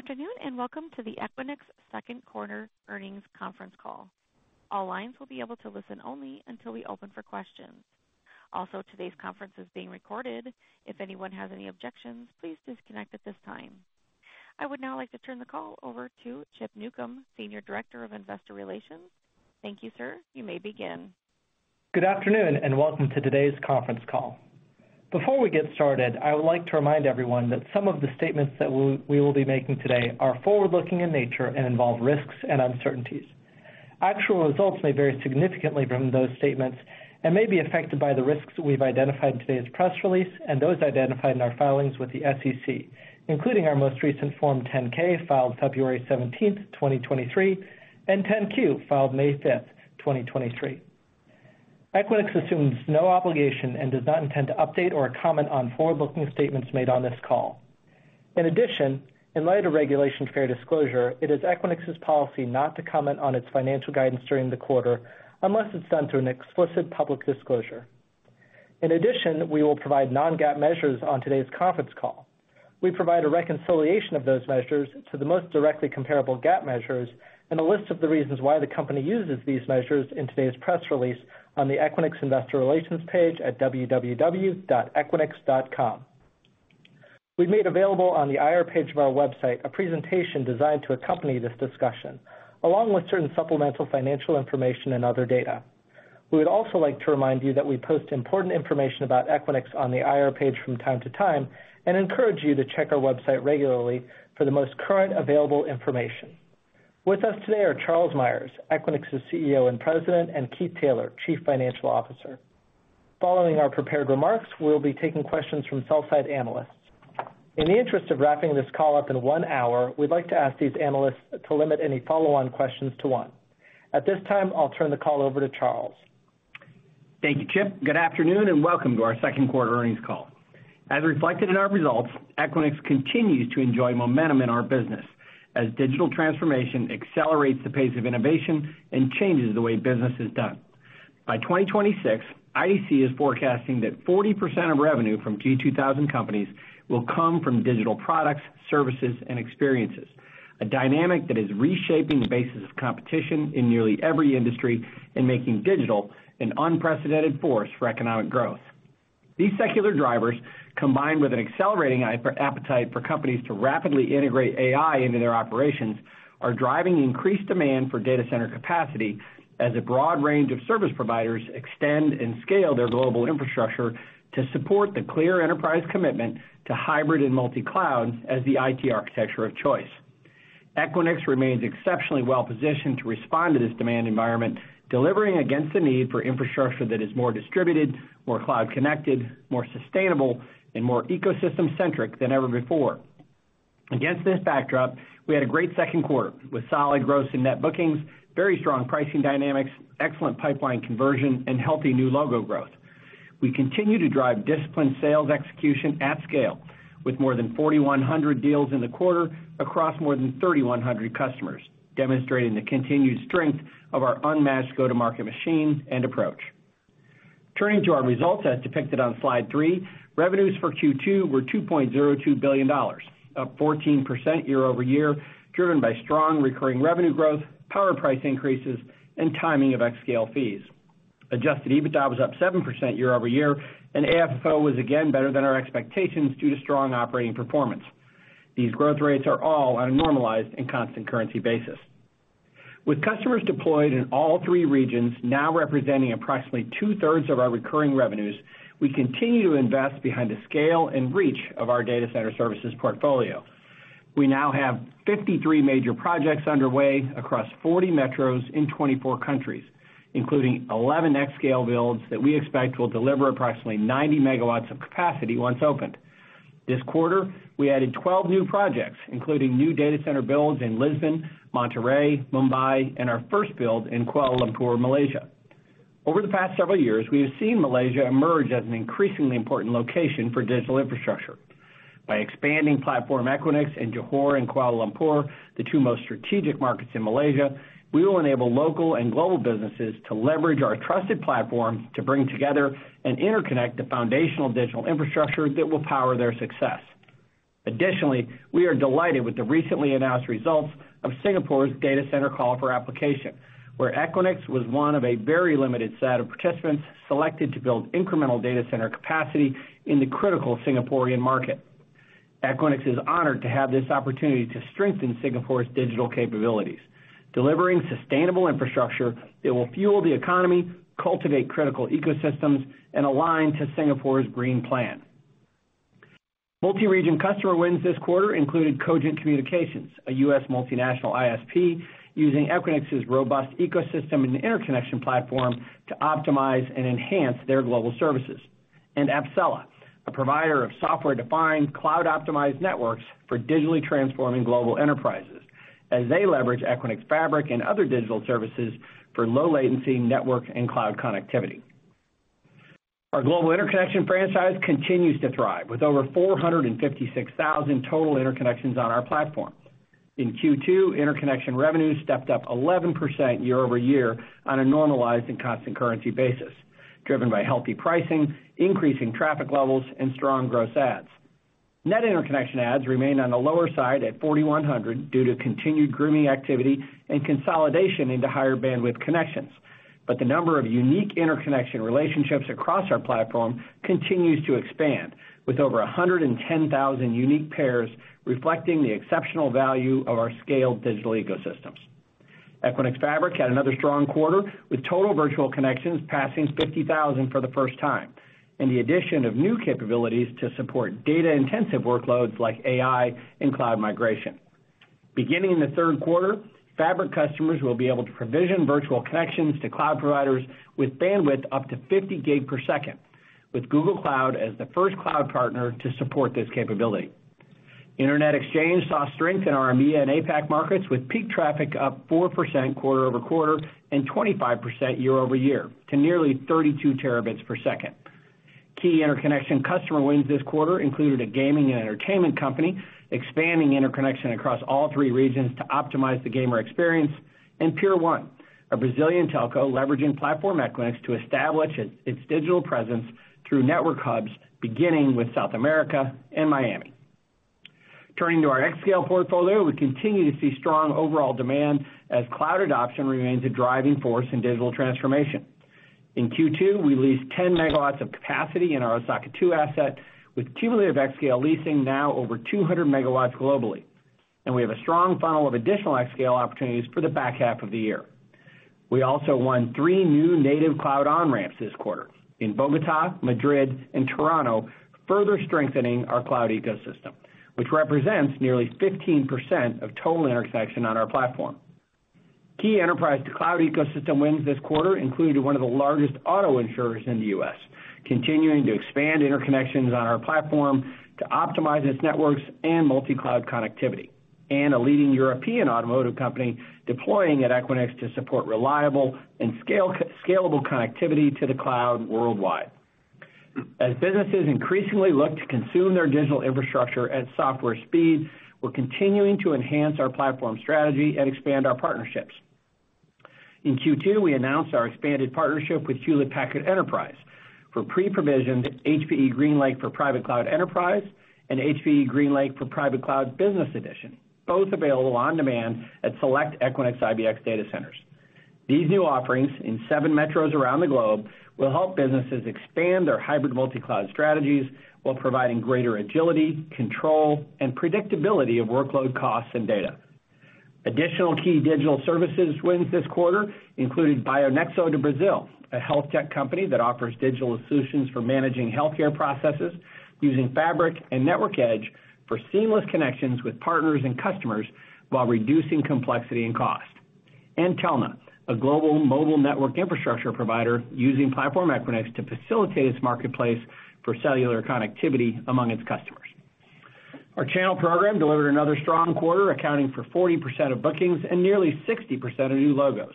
Good afternoon, and welcome to the Equinix second quarter earnings conference call. All lines will be able to listen only until we open for questions. Today's conference is being recorded. If anyone has any objections, please disconnect at this time. I would now like to turn the call over to Chip Newcomb, Senior Director of Investor Relations. Thank you, sir. You may begin. Good afternoon. Welcome to today's conference call. Before we get started, I would like to remind everyone that some of the statements that we will be making today are forward-looking in nature and involve risks and uncertainties. Actual results may vary significantly from those statements and may be affected by the risks we've identified in today's press release and those identified in our filings with the SEC, including our most recent Form 10-K, filed February 17th, 2023, and Form 10-Q, filed May 5th, 2023. Equinix assumes no obligation and does not intend to update or comment on forward-looking statements made on this call. In addition, in light of Regulation Fair Disclosure, it is Equinix's policy not to comment on its financial guidance during the quarter, unless it's done through an explicit public disclosure. In addition, we will provide non-GAAP measures on today's conference call. We provide a reconciliation of those measures to the most directly comparable GAAP measures and a list of the reasons why the company uses these measures in today's press release on the Equinix Investor Relations page at www.equinix.com. We've made available on the IR page of our website a presentation designed to accompany this discussion, along with certain supplemental financial information and other data. We would also like to remind you that we post important information about Equinix on the IR page from time to time and encourage you to check our website regularly for the most current available information. With us today are Charles Meyers, Equinix's CEO and President, and Keith Taylor, Chief Financial Officer. Following our prepared remarks, we'll be taking questions from sell-side analysts. In the interest of wrapping this call up in one hour, we'd like to ask these analysts to limit any follow-on questions to one. At this time, I'll turn the call over to Charles. Thank you, Chip. Good afternoon, and welcome to our second quarter earnings call. As reflected in our results, Equinix continues to enjoy momentum in our business as digital transformation accelerates the pace of innovation and changes the way business is done. By 2026, IDC is forecasting that 40% of revenue from Global 2000 companies will come from digital products, services, and experiences, a dynamic that is reshaping the basis of competition in nearly every industry and making digital an unprecedented force for economic growth. These secular drivers, combined with an accelerating appetite for companies to rapidly integrate AI into their operations, are driving increased demand for data center capacity as a broad range of service providers extend and scale their global infrastructure to support the clear enterprise commitment to hybrid and multi-cloud as the IT architecture of choice. Equinix remains exceptionally well positioned to respond to this demand environment, delivering against the need for infrastructure that is more distributed, more cloud connected, more sustainable, and more ecosystem-centric than ever before. Against this backdrop, we had a great second quarter, with solid gross and net bookings, very strong pricing dynamics, excellent pipeline conversion, and healthy new logo growth. We continue to drive disciplined sales execution at scale, with more than 4,100 deals in the quarter across more than 3,100 customers, demonstrating the continued strength of our unmatched go-to-market machine and approach. Turning to our results as depicted on slide three, revenues for Q2 were $2.02 billion, up 14% year-over-year, driven by strong recurring revenue growth, power price increases, and timing of xScale fees. Adjusted EBITDA was up 7% year-over-year, and AFFO was again better than our expectations due to strong operating performance. These growth rates are all on a normalized and constant-currency basis. With customers deployed in all three regions, now representing approximately two-thirds of our recurring revenues, we continue to invest behind the scale and reach of our data center services portfolio. We now have 53 major projects underway across 40 metros in 24 countries, including 11 xScale builds that we expect will deliver approximately 90 MW of capacity once opened. This quarter, we added 12 new projects, including new data center builds in Lisbon, Monterey, Mumbai, and our first build in Kuala Lumpur, Malaysia. Over the past several years, we have seen Malaysia emerge as an increasingly important location for digital infrastructure. By expanding Platform Equinix in Johor and Kuala Lumpur, the two most strategic markets in Malaysia, we will enable local and global businesses to leverage our trusted platform to bring together and interconnect the foundational digital infrastructure that will power their success. Additionally, we are delighted with the recently announced results of Singapore's Data Center Call for Application, where Equinix was one of a very limited set of participants selected to build incremental data center capacity in the critical Singaporean market. Equinix is honored to have this opportunity to strengthen Singapore's digital capabilities, delivering sustainable infrastructure that will fuel the economy, cultivate critical ecosystems, and align to Singapore's Green Plan. Multi-region customer wins this quarter included Cogent Communications, a U.S. multinational ISP, using Equinix's robust ecosystem and interconnection platform to optimize and enhance their global services, Apcela, a provider of software-defined, cloud-optimized networks for digitally transforming global enterprises as they leverage Equinix Fabric and other digital services for low latency network and cloud connectivity. Our global interconnection franchise continues to thrive, with over 456,000 total interconnections on our platform. In Q2, interconnection revenues stepped up 11% year-over-year on a normalized and constant-currency basis, driven by healthy pricing, increasing traffic levels, and strong gross adds. Net interconnection adds remained on the lower side at 4,100 due to continued grooming activity and consolidation into higher bandwidth connections. The number of unique interconnection relationships across our Platform Equinix continues to expand, with over 110,000 unique pairs, reflecting the exceptional value of our scaled digital ecosystems. Equinix Fabric had another strong quarter, with total virtual connections passing 50,000 for the first time, and the addition of new capabilities to support data-intensive workloads like AI and cloud migration. Beginning in the third quarter, Fabric customers will be able to provision virtual connections to cloud providers with bandwidth up to 50 Gbps, with Google Cloud as the first cloud partner to support this capability. Internet Exchange saw strength in our EMEA and APAC markets, with peak traffic up 4% quarter-over-quarter and 25% year-over-year to nearly 32 terabits per second. Key interconnection customer wins this quarter included a gaming and entertainment company, expanding interconnection across all three regions to optimize the gamer experience, a Tier 1, a Brazilian telco leveraging Platform Equinix to establish its digital presence through network hubs, beginning with South America and Miami. Turning to our xScale portfolio, we continue to see strong overall demand as cloud adoption remains a driving force in digital transformation. In Q2, we leased 10 megawatts of capacity in our Osaka two asset, with cumulative xScale leasing now over 200 megawatts globally. We have a strong funnel of additional xScale opportunities for the back half of the year. We also won three new native cloud on-ramps this quarter in Bogota, Madrid, and Toronto, further strengthening our cloud ecosystem, which represents nearly 15% of total interconnection on our platform. Key enterprise to cloud ecosystem wins this quarter included one of the largest auto insurers in the U.S., continuing to expand interconnections on our platform to optimize its networks and multi-cloud connectivity, and a leading European automotive company deploying at Equinix to support reliable and scalable connectivity to the cloud worldwide. As businesses increasingly look to consume their digital infrastructure at software speed, we're continuing to enhance our platform strategy and expand our partnerships. In Q2, we announced our expanded partnership with Hewlett Packard Enterprise for pre-provisioned HPE GreenLake for Private Cloud Enterprise and HPE GreenLake for Private Cloud Business Edition, both available on demand at select Equinix IBX data centers. These new offerings in seven metros around the globe will help businesses expand their hybrid multi-cloud strategies while providing greater agility, control, and predictability of workload costs and data. Additional key digital services wins this quarter included Bionexo of Brazil, a health tech company that offers digital solutions for managing healthcare processes using Fabric and Network Edge for seamless connections with partners and customers while reducing complexity and cost. Telna, a global mobile network infrastructure provider, using Platform Equinix to facilitate its marketplace for cellular connectivity among its customers. Our channel program delivered another strong quarter, accounting for 40% of bookings and nearly 60% of new logos.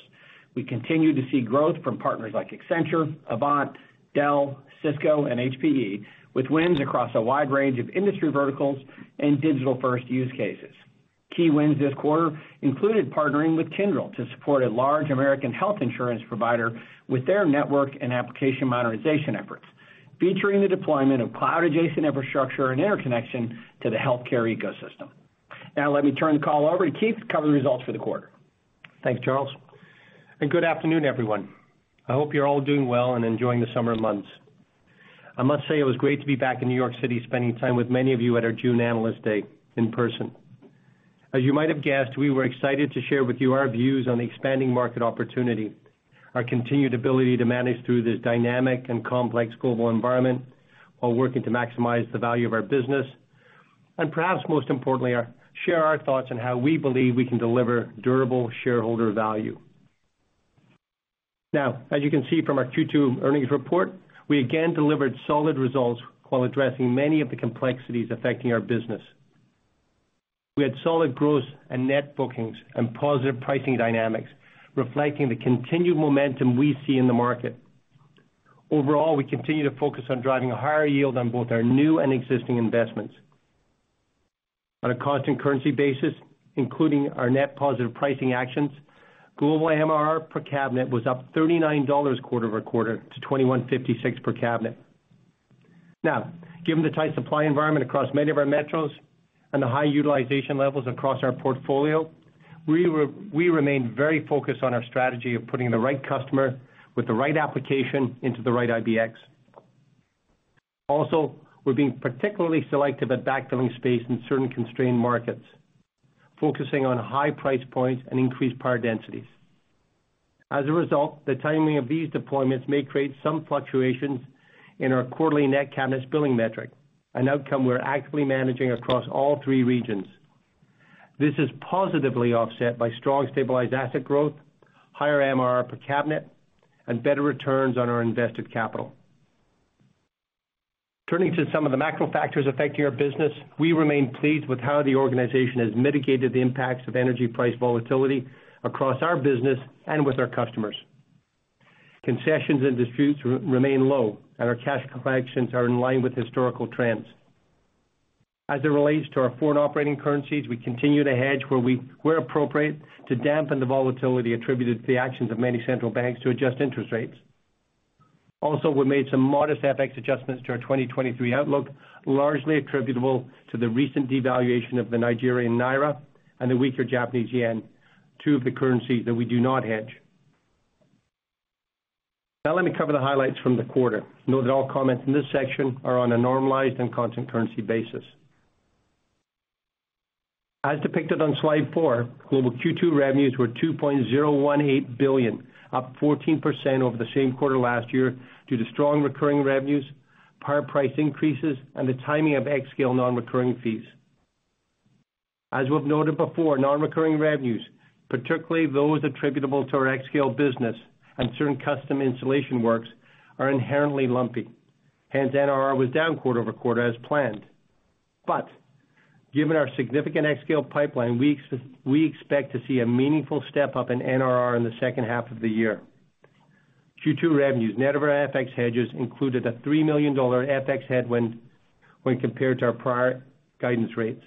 We continue to see growth from partners like Accenture, AVANT, Dell, Cisco, and HPE, with wins across a wide range of industry verticals and digital-first use cases. Key wins this quarter included partnering with Kyndryl to support a large American health insurance provider with their network and application modernization efforts, featuring the deployment of cloud-adjacent infrastructure and interconnection to the healthcare ecosystem. Now, let me turn the call over to Keith to cover the results for the quarter. Thanks, Charles. Good afternoon, everyone. I hope you're all doing well and enjoying the summer months. I must say it was great to be back in New York City, spending time with many of you at our June Analyst Day in person. As you might have guessed, we were excited to share with you our views on the expanding market opportunity, our continued ability to manage through this dynamic and complex global environment while working to maximize the value of our business, perhaps most importantly, share our thoughts on how we believe we can deliver durable shareholder value. Now, as you can see from our Q2 earnings report, we again delivered solid results while addressing many of the complexities affecting our business. We had solid growth and net bookings and positive pricing dynamics, reflecting the continued momentum we see in the market. Overall, we continue to focus on driving a higher yield on both our new and existing investments. On a constant-currency basis, including our net positive pricing actions, global MRR per cabinet was up $39 quarter-over-quarter to $2,156 per cabinet. Given the tight supply environment across many of our metros and the high utilization levels across our portfolio, we remain very focused on our strategy of putting the right customer with the right application into the right IBX. We're being particularly selective at backfilling space in certain constrained markets, focusing on high price points and increased power densities. As a result, the timing of these deployments may create some fluctuations in our quarterly net cabinets billing metric, an outcome we're actively managing across all three regions. This is positively offset by strong stabilized asset growth, higher MRR per cabinet, and better returns on our invested capital. Turning to some of the macro factors affecting our business, we remain pleased with how the organization has mitigated the impacts of energy price volatility across our business and with our customers. Concessions and disputes remain low, and our cash collections are in line with historical trends. As it relates to our foreign operating currencies, we continue to hedge where appropriate to dampen the volatility attributed to the actions of many central banks to adjust interest rates. Also, we made some modest FX adjustments to our 2023 outlook, largely attributable to the recent devaluation of the Nigerian naira and the weaker Japanese yen, two of the currencies that we do not hedge. Now, let me cover the highlights from the quarter. Note that all comments in this section are on a normalized and constant-currency basis. As depicted on slide four, global Q2 revenues were $2.018 billion, up 14% over the same quarter last year due to strong recurring revenues, power price increases, and the timing of xScale non-recurring fees. As we've noted before, non-recurring revenues, particularly those attributable to our xScale business and certain custom installation works, are inherently lumpy. Hence, NRR was down quarter-over-quarter as planned. Given our significant xScale pipeline, we expect to see a meaningful step-up in NRR in the second half of the year. Q2 revenues, net of our FX hedges, included a $3 million FX headwind when compared to our prior guidance rates.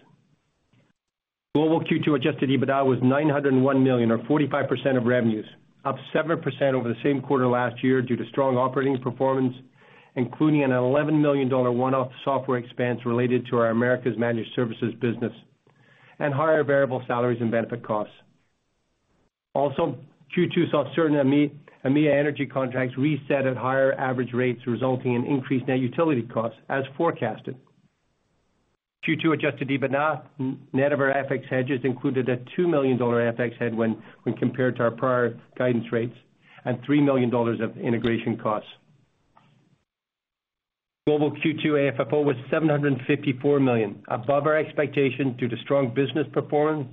Global Q2 adjusted EBITDA was $901 million, or 45% of revenues, up 7% over the same quarter last year due to strong operating performance, including an $11 million one-off software expense related to our Americas Managed Services business, and higher variable salaries and benefit costs. Q2 saw certain EMEA energy contracts reset at higher average rates, resulting in increased net utility costs as forecasted. Q2 adjusted EBITDA, net of our FX hedges, included a $2 million FX headwind when compared to our prior guidance rates, and $3 million of integration costs. Global Q2 AFFO was $754 million, above our expectation, due to strong business performance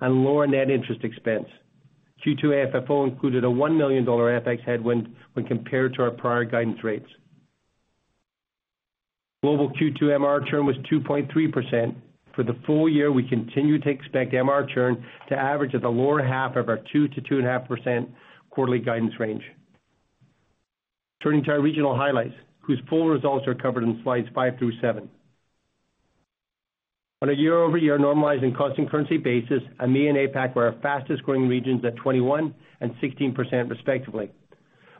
and lower net interest expense. Q2 AFFO included a $1 million FX headwind when compared to our prior guidance rates. Global Q2 MR churn was 2.3%. For the full year, we continue to expect MR churn to average at the lower half of our 2% to 2.5% quarterly guidance range. Turning to our regional highlights, whose full results are covered in slides five through seven. On a year-over-year normalized and constant currency basis, EMEA and APAC were our fastest growing regions at 21% and 16%, respectively.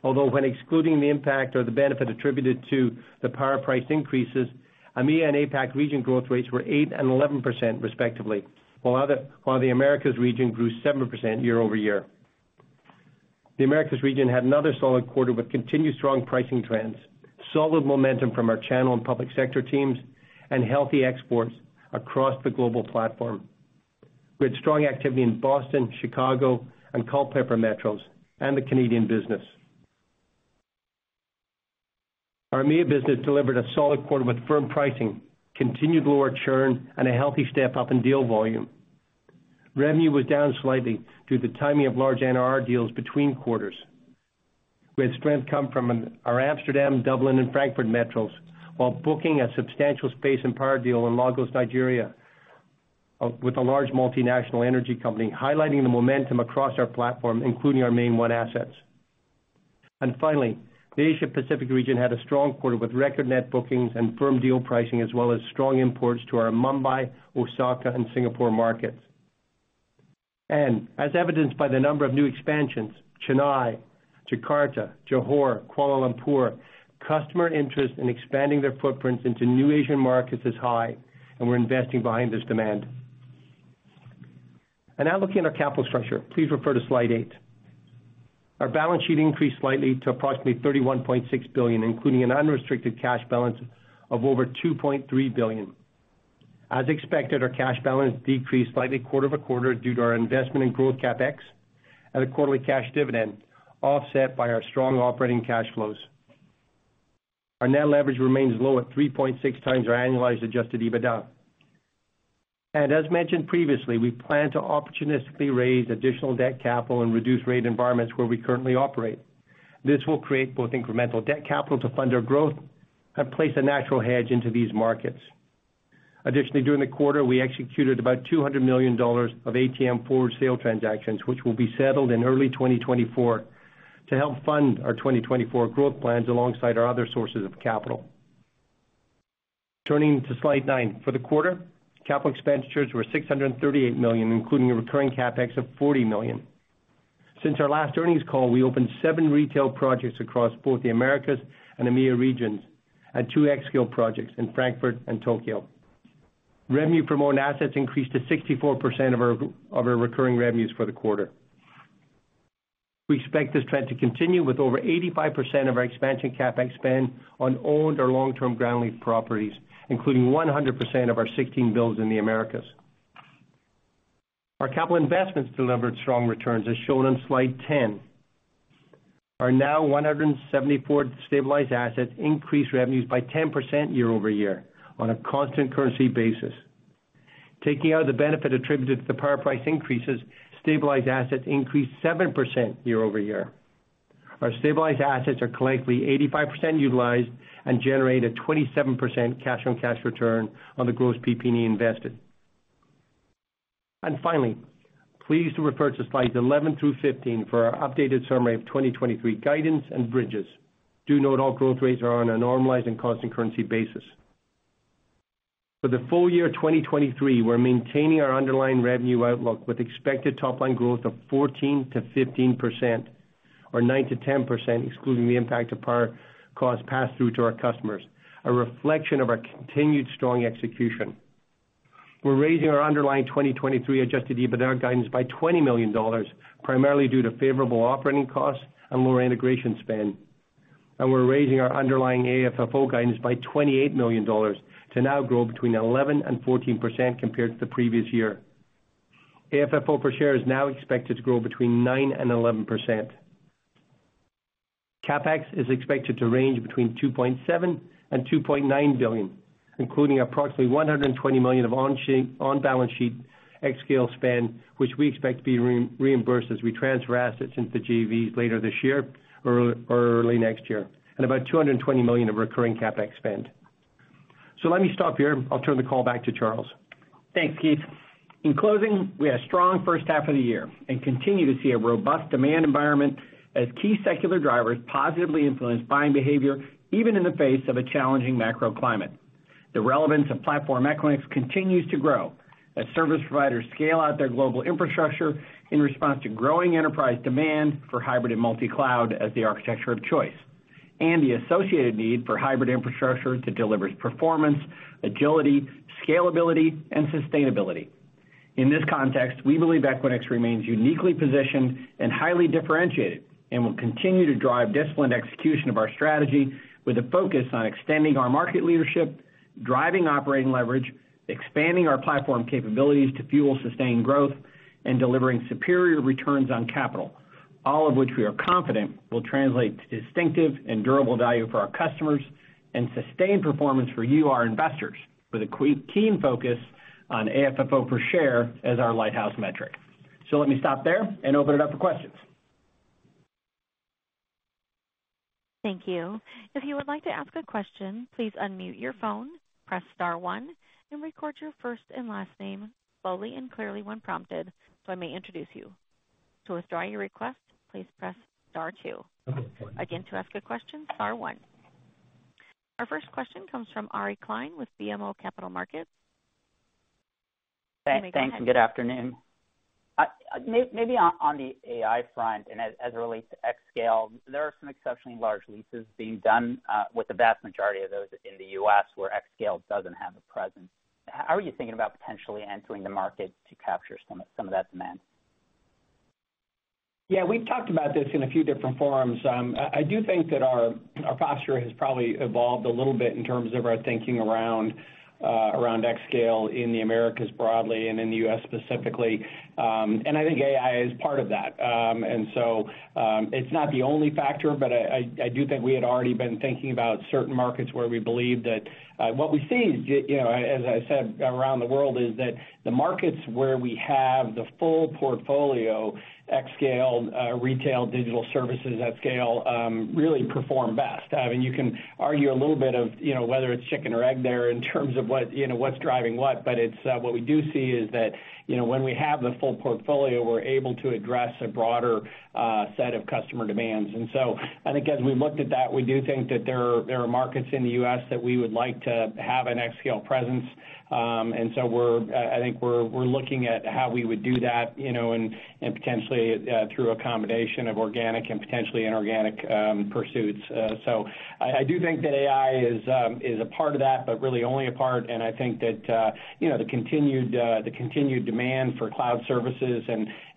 When excluding the impact or the benefit attributed to the power price increases, EMEA and APAC region growth rates were 8% and 11%, respectively, while the Americas region grew 7% year-over-year. The Americas region had another solid quarter with continued strong pricing trends, solid momentum from our channel and public sector teams, and healthy exports across the global platform. We had strong activity in Boston, Chicago, and Culpeper metros, and the Canadian business. Our EMEA business delivered a solid quarter with firm pricing, continued lower churn, and a healthy step-up in deal volume. Revenue was down slightly due to the timing of large NRR deals between quarters, with strength come from our Amsterdam, Dublin, and Frankfurt metros, while booking a substantial space and power deal in Lagos, Nigeria, with a large multinational energy company, highlighting the momentum across our platform, including our MainOne assets. Finally, the Asia Pacific region had a strong quarter with record net bookings and firm deal pricing, as well as strong imports to our Mumbai, Osaka, and Singapore markets. As evidenced by the number of new expansions, Chennai, Jakarta, Johor, Kuala Lumpur, customer interest in expanding their footprints into new Asian markets is high, and we're investing behind this demand. Now looking at our capital structure, please refer to Slide 8. Our balance sheet increased slightly to approximately $31.6 billion, including an unrestricted cash balance of over $2.3 billion. As expected, our cash balance decreased slightly quarter-over-quarter due to our investment in growth CapEx and a quarterly cash dividend, offset by our strong operating cash flows. Our net leverage remains low at 3.6x our annualized adjusted EBITDA. As mentioned previously, we plan to opportunistically raise additional debt capital in reduced rate environments where we currently operate. This will create both incremental debt capital to fund our growth and place a natural hedge into these markets. Additionally, during the quarter, we executed about $200 million of ATM forward sale transactions, which will be settled in early 2024, to help fund our 2024 growth plans alongside our other sources of capital. Turning to Slide 9. For the quarter, capital expenditures were $638 million, including a recurring CapEx of $40 million. Since our last earnings call, we opened seven retail projects across both the Americas and EMEA regions, and two xScale projects in Frankfurt and Tokyo. Revenue from owned assets increased to 64% of our recurring revenues for the quarter. We expect this trend to continue, with over 85% of our expansion CapEx spend on owned or long-term ground lease properties, including 100% of our 16 builds in the Americas. Our capital investments delivered strong returns, as shown on Slide 10. Our now 174 stabilized assets increased revenues by 10% year-over-year on a constant-currency basis. Taking out the benefit attributed to the power price increases, stabilized assets increased 7% year-over-year. Our stabilized assets are collectively 85% utilized and generate a 27% cash-on-cash return on the gross PP&E invested. Finally, please refer to Slides 11 through 15 for our updated summary of 2023 guidance and bridges. Do note all growth rates are on a normalized and constant currency basis. For the full year 2023, we're maintaining our underlying revenue outlook with expected top line growth of 14%-15%, or 9%-10%, excluding the impact of power cost passed through to our customers, a reflection of our continued strong execution. We're raising our underlying 2023 adjusted EBITDA guidance by $20 million, primarily due to favorable operating costs and lower integration spend. We're raising our underlying AFFO guidance by $28 million to now grow between 11% and 14% compared to the previous year. AFFO per share is now expected to grow between 9% and 11%. CapEx is expected to range between $2.7 billion and $2.9 billion, including approximately $120 million of on-sheet, on-balance sheet xScale spend, which we expect to be re-reimbursed as we transfer assets into JVs later this year or early next year, and about $220 million of recurring CapEx spend. Let me stop here. I'll turn the call back to Charles. Thanks, Keith. In closing, we had a strong first half of the year and continue to see a robust demand environment as key secular drivers positively influence buying behavior, even in the face of a challenging macro climate. The relevance of Platform Equinix continues to grow as service providers scale out their global infrastructure in response to growing enterprise demand for hybrid and multi-cloud as the architecture of choice, and the associated need for hybrid infrastructure to deliver performance, agility, scalability, and sustainability. In this context, we believe Equinix remains uniquely positioned and highly differentiated and will continue to drive disciplined execution of our strategy with a focus on extending our market leadership, driving operating leverage, expanding our platform capabilities to fuel sustained growth, and delivering superior returns on capital. All of which we are confident will translate to distinctive and durable value for our customers and sustained performance for you, our investors, with a keen focus on AFFO per share as our lighthouse metric. Let me stop there and open it up for questions. Thank you. If you would like to ask a question, please unmute your phone, press star one, and record your first and last name slowly and clearly when prompted, so I may introduce you. To withdraw your request, please press star two. Again, to ask a question, star one. Our first question comes from Ari Klein with BMO Capital Markets. You may go ahead. Thanks, and good afternoon. Maybe on the AI front and as it relates to xScale, there are some exceptionally large leases being done with the vast majority of those in the U.S., where xScale doesn't have a presence. How are you thinking about potentially entering the market to capture some of that demand? Yeah, we've talked about this in a few different forums. I, I do think that our, our posture has probably evolved a little bit in terms of our thinking around xScale in the Americas broadly and in the U.S. specifically. I think AI is part of that. So, it's not the only factor, but I, I, I do think we had already been thinking about certain markets where we believe that what we see is, you know, as I said, around the world, is that the markets where we have the full portfolio, xScale, retail, digital services at scale, really perform best. I mean, you can argue a little bit of, you know, whether it's chicken or egg there in terms of what, you know, what's driving what. It's what we do see is that, you know, when we have the full portfolio, we're able to address a broader set of customer demands. So I think as we looked at that, we do think that there, there are markets in the U.S. that we would like to have an xScale presence. So we're, I think we're, we're looking at how we would do that, you know, and, and potentially, through a combination of organic and potentially inorganic pursuits. So I, I do think that AI is a part of that, but really only a part. I think that, you know, the continued demand for cloud services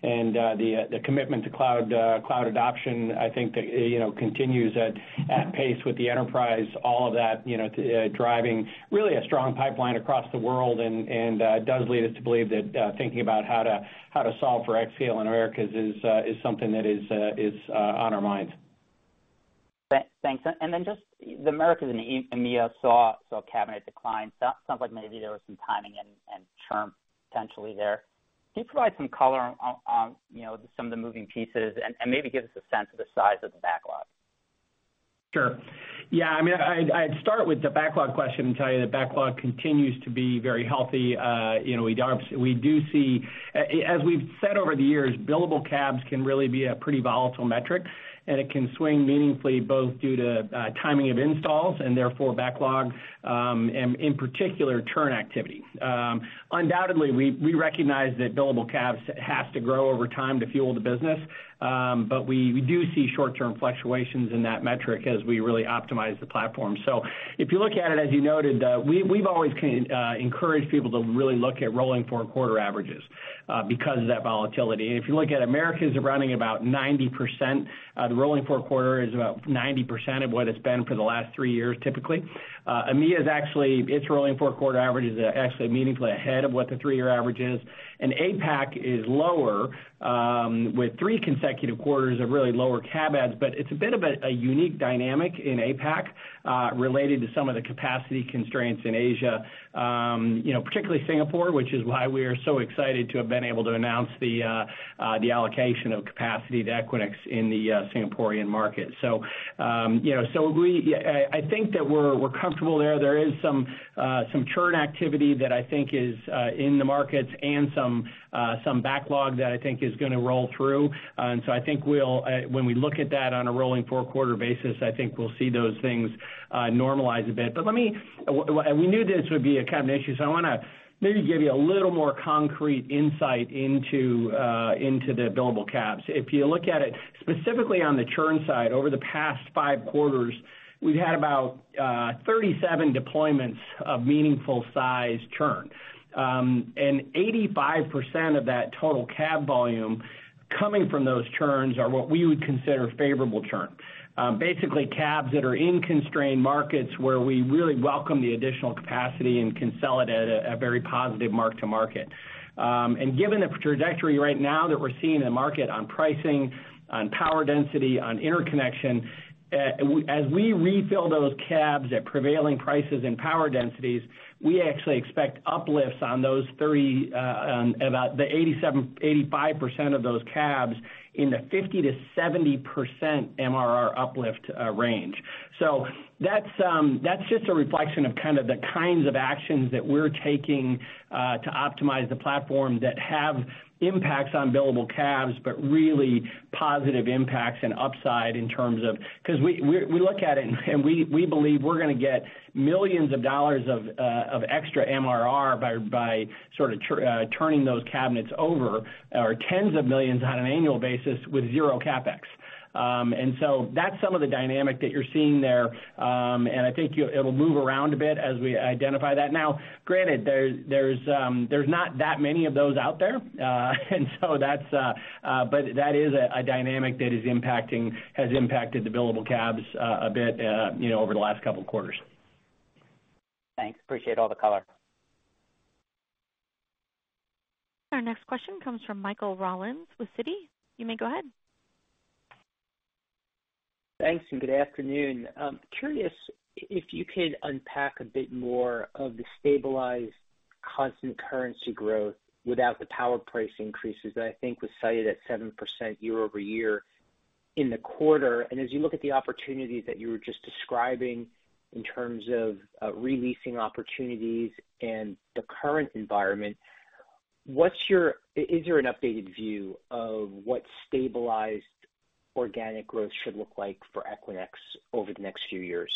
and, and the, the commitment to cloud, cloud adoption, I think that, you know, continues at pace with the enterprise. All of that, you know, driving really a strong pipeline across the world and, and, does lead us to believe that, thinking about how to, how to solve for xScale in Americas is, is something that is, is, on our minds. Thanks. Then just the Americas and EMEA saw cabinet decline. Sounds like maybe there was some timing and churn potentially there. Can you provide some color on, you know, some of the moving pieces and maybe give us a sense of the size of the backlog? Sure. Yeah, I mean, I'd, I'd start with the backlog question and tell you the backlog continues to be very healthy. You know, we don't... We do see, as, as we've said over the years, billable cabs can really be a pretty volatile metric, and it can swing meaningfully, both due to, timing of installs and therefore backlog, and in particular, churn activity. Undoubtedly, we, we recognize that billable cabs has to grow over time to fuel the business, but we, we do see short-term fluctuations in that metric as we really optimize the platform. If you look at it, as you noted, we've always encouraged people to really look at rolling four-quarter averages, because of that volatility. If you look at Americas are running about 90%, the rolling four-quarter is about 90% of what it's been for the last three years, typically. EMEA is actually its rolling four-quarter average is actually meaningfully ahead of what the three-year average is. APAC is lower, with three consecutive quarters of really lower cab ads. It's a bit of a, a unique dynamic in APAC, related to some of the capacity constraints in Asia, you know, particularly Singapore, which is why we are so excited to have been able to announce the allocation of capacity to Equinix in the Singaporean market. You know, so we, I think that we're, we're comfortable there. There is some, some churn activity that I think is, in the markets and some, some backlog that I think is gonna roll through. I think we'll, when we look at that on a rolling four-quarter basis, I think we'll see those things, normalize a bit. Let me. We knew this would be a cabinet issue, so I want to maybe give you a little more concrete insight into, into the billable cabs. If you look at it, specifically on the churn side, over the past five quarters, we've had about, 37 deployments a meaningful size churn. 85% of that total cab volume coming from those churns are what we would consider favorable churn. Basically, cabs that are in constrained markets where we really welcome the additional capacity and can sell it at a very positive mark to market. Given the trajectory right now that we're seeing in the market on pricing, on power density, on interconnection, as we refill those cabs at prevailing prices and power densities, we actually expect uplifts on those 30, about the 87%, 85% of those cabs in the 50%-70% MRR uplift range. That's, that's just a reflection of kind of the kinds of actions that we're taking to optimize the platform that have impacts on billable cabs, but really positive impacts and upside in terms of, 'cause we, we, we look at it, and we, we believe we're gonna get $ millions of extra MRR by, by sort of turning those cabinets over, or $ tens of millions on an annual basis with 0 CapEx. That's some of the dynamic that you're seeing there. I think it'll move around a bit as we identify that. Now, granted, there's, there's, there's not that many of those out there. That is a, a dynamic that is impacting-- has impacted the billable cabs, a bit, over the last couple of quarters. Thanks. Appreciate all the color. Our next question comes from Michael Rollins with Citi. You may go ahead. Thanks, and good afternoon. Curious if you could unpack a bit more of the stabilized constant currency growth without the power price increases that I think was cited at 7% year-over-year in the quarter? As you look at the opportunities that you were just describing in terms of re-leasing opportunities and the current environment, is there an updated view of what stabilized organic growth should look like for Equinix over the next few years?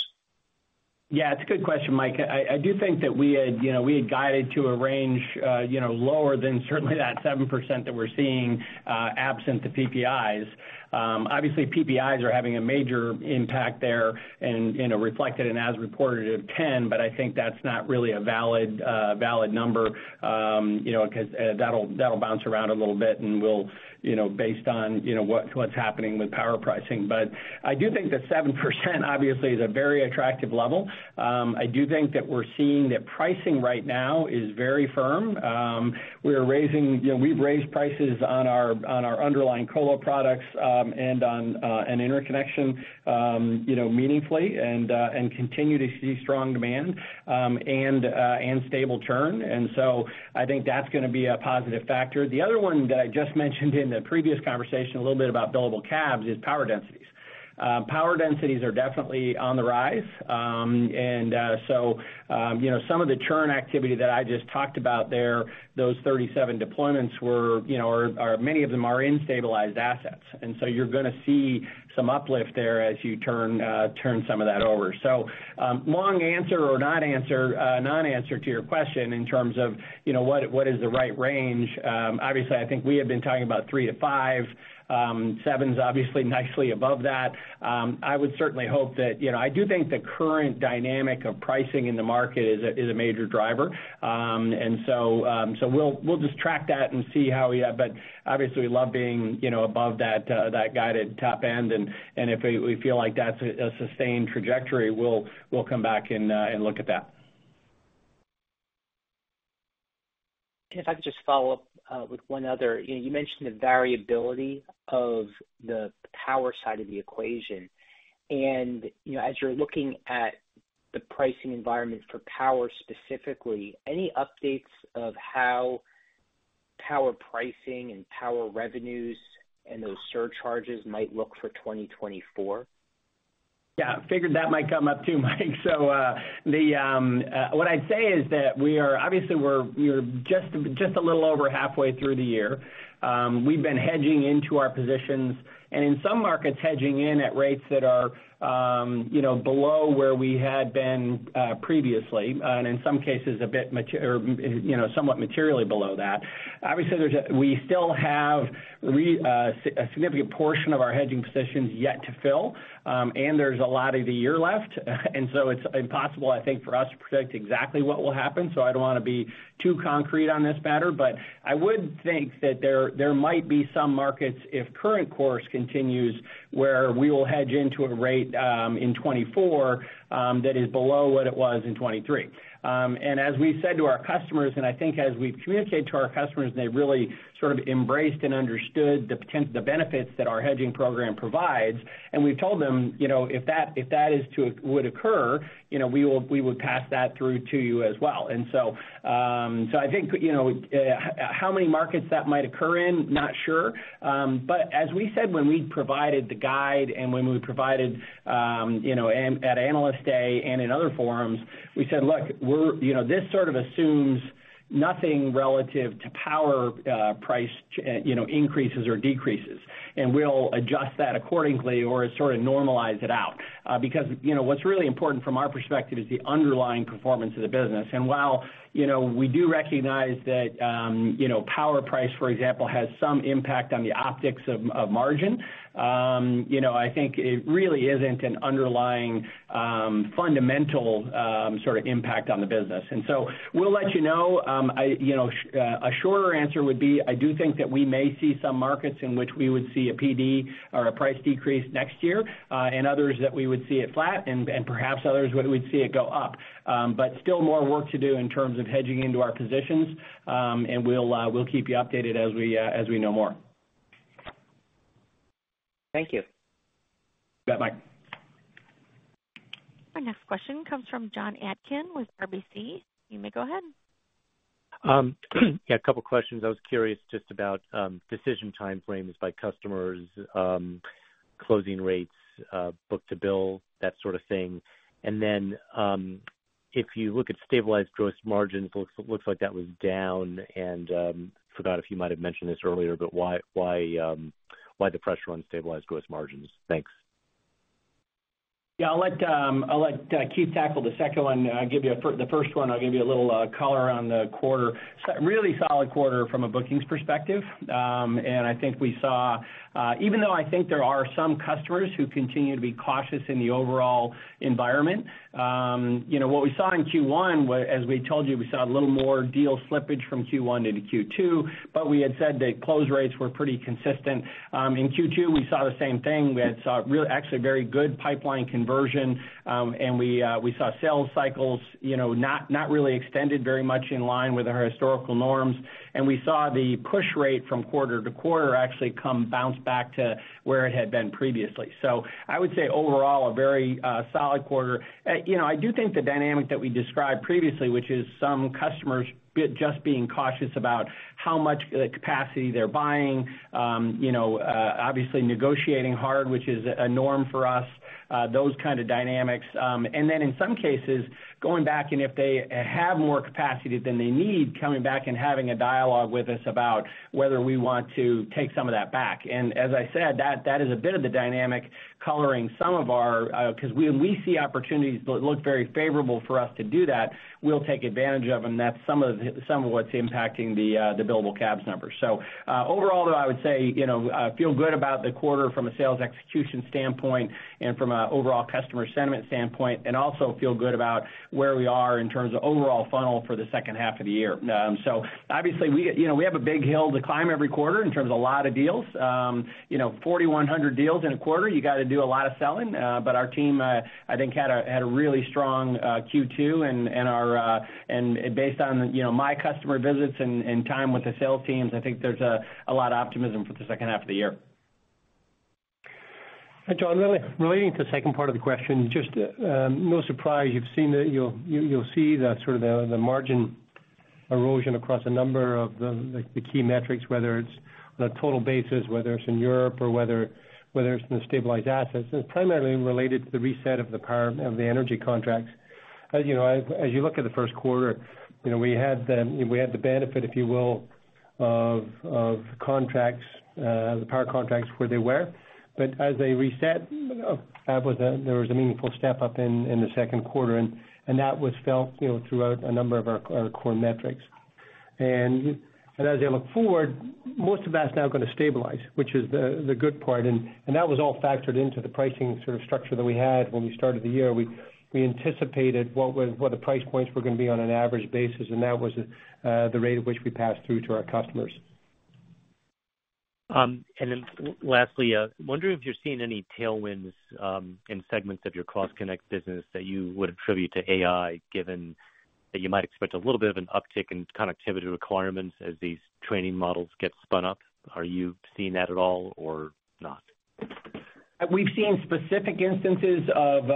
Yeah, it's a good question, Mike. I, I do think that we had, you know, we had guided to a range, you know, lower than certainly that 7% that we're seeing, absent the PPIs. Obviously, PPIs are having a major impact there and, you know, reflected and as reported of 10, but I think that's not really a valid, valid number, you know, 'cause that'll, that'll bounce around a little bit, and we'll, you know, based on, you know, what, what's happening with power pricing. I do think that 7%, obviously, is a very attractive level. I do think that we're seeing that pricing right now is very firm. We are raising... You know, we've raised prices on our, on our underlying colo products, and on an interconnection, you know, meaningfully, and continue to see strong demand, and stable churn. I think that's gonna be a positive factor. The other one that I just mentioned in the previous conversation, a little bit about billable cabs, is power densities. Power densities are definitely on the rise. So, you know, some of the churn activity that I just talked about there, those 37 deployments were, you know, are, are many of them are in stabilized assets, and so you're gonna see some uplift there as you turn, turn some of that over. So, long answer or not answer, non-answer to your question in terms of, you know, what, what is the right range? Obviously, I think we have been talking about 3 to 5. 7's obviously nicely above that. I would certainly hope that, you know, I do think the current dynamic of pricing in the market is a major driver. And so, we'll just track that and see how we have. Obviously, we love being, you know, above that, that guided top end, and if we feel like that's a sustained trajectory, we'll come back and look at that. If I could just follow up with one other. You, you mentioned the variability of the power side of the equation. You know, as you're looking at the pricing environment for power, specifically, any updates of how power pricing and power revenues and those surcharges might look for 2024? Yeah, I figured that might come up, too, Mike. What I'd say is that we are obviously, we're just a little over halfway through the year. We've been hedging into our positions, and in some markets, hedging in at rates that are, you know, below where we had been, previously, and in some cases, a bit mater- or, you know, somewhat materially below that. Obviously, we still have a significant portion of our hedging positions yet to fill, there's a lot of the year left. It's impossible, I think, for us to predict exactly what will happen, so I don't want to be too concrete on this matter. I would think that there, there might be some markets, if current course continues, where we will hedge into a rate, in 2024, that is below what it was in 2023. As we said to our customers, and I think as we communicate to our customers, and they've really sort of embraced and understood the benefits that our hedging program provides, and we've told them, you know, if that, if that is to, would occur, you know, we would pass that through to you as well. So, so I think, you know, how many markets that might occur in? Not sure. As we said, when we provided the guide and when we provided, you know, at, at Analyst Day and in other forums, we said: Look, we're, you know, this sort of assumes nothing relative to power price, you know, increases or decreases, and we'll adjust that accordingly or sort of normalize it out. Because, you know, what's really important from our perspective is the underlying performance of the business. While, you know, we do recognize that, you know, power price, for example, has some impact on the optics of, of margin, you know, I think it really isn't an underlying, fundamental, sort of impact on the business. So we'll let you know. I, you know, a shorter answer would be, I do think that we may see some markets in which we would see a PD or a price decrease next year, and others that we would see it flat and, and perhaps others, where we'd see it go up. Still more work to do in terms of hedging into our positions. We'll keep you updated as we know more. Thank you. Yeah, bye. Our next question comes from John Atkin with RBC. You may go ahead. Yeah, a couple of questions. I was curious just about decision time frames by customers, closing rates, book to bill, that sort of thing. Then, if you look at stabilized gross margins, looks, looks like that was down. Forgot if you might have mentioned this earlier, but why, why, why the pressure on stabilized gross margins? Thanks. Yeah, I'll let, I'll let Keith tackle the second one. I'll give you the first one, I'll give you a little color on the quarter. Really solid quarter from a bookings perspective. I think we saw, even though I think there are some customers who continue to be cautious in the overall environment, you know, what we saw in Q1, as we told you, we saw a little more deal slippage from Q1 into Q2, but we had said that close rates were pretty consistent. In Q2, we saw the same thing. We had saw actually very good pipeline conversion, and we, we saw sales cycles, you know, not, not really extended very much in line with our historical norms. We saw the push rate from quarter-to-quarter actually come bounce back to where it had been previously. I would say overall, a very solid quarter. You know, I do think the dynamic that we described previously, which is some customers just being cautious about how much capacity they're buying, you know, obviously negotiating hard, which is a norm for us, those kind of dynamics. Then in some cases, going back and if they have more capacity than they need, coming back and having a dialogue with us about whether we want to take some of that back. As I said, that, that is a bit of the dynamic coloring some of our 'cause when we see opportunities that look very favorable for us to do that, we'll take advantage of them, and that's some of the, some of what's impacting the billable CABS numbers. Overall, though, I would say, you know, I feel good about the quarter from a sales execution standpoint and from a overall customer sentiment standpoint, and also feel good about where we are in terms of overall funnel for the second half of the year. Obviously, we, you know, we have a big hill to climb every quarter in terms of a lot of deals. You know, 4,100 deals in a quarter, you got to do a lot of selling. Our team, I think, had a really strong Q2, and based on, you know, my customer visits and time with the sales teams, I think there's a lot of optimism for the second half of the year. Hi, John. Relating to the second part of the question, no surprise, you'll see the sort of the margin erosion across a number of the key metrics, whether it's on a total basis, whether it's in Europe, or whether it's in the stabilized assets. It's primarily related to the reset of the energy contracts. As you know, as you look at the first quarter, we had the benefit, if you will, of contracts, the power contracts where they were. As they reset, there was a meaningful step up in the second quarter, and that was felt throughout a number of our core metrics. As you look forward, most of that's now going to stabilize, which is the, the good part. That was all factored into the pricing sort of structure that we had when we started the year. We, we anticipated what was, what the price points were going to be on an average basis, and that was the rate at which we passed through to our customers. Then lastly, wondering if you're seeing any tailwinds, in segments of your cross-connect business that you would attribute to AI, given that you might expect a little bit of an uptick in connectivity requirements as these training models get spun up. Are you seeing that at all or not? We've seen specific instances of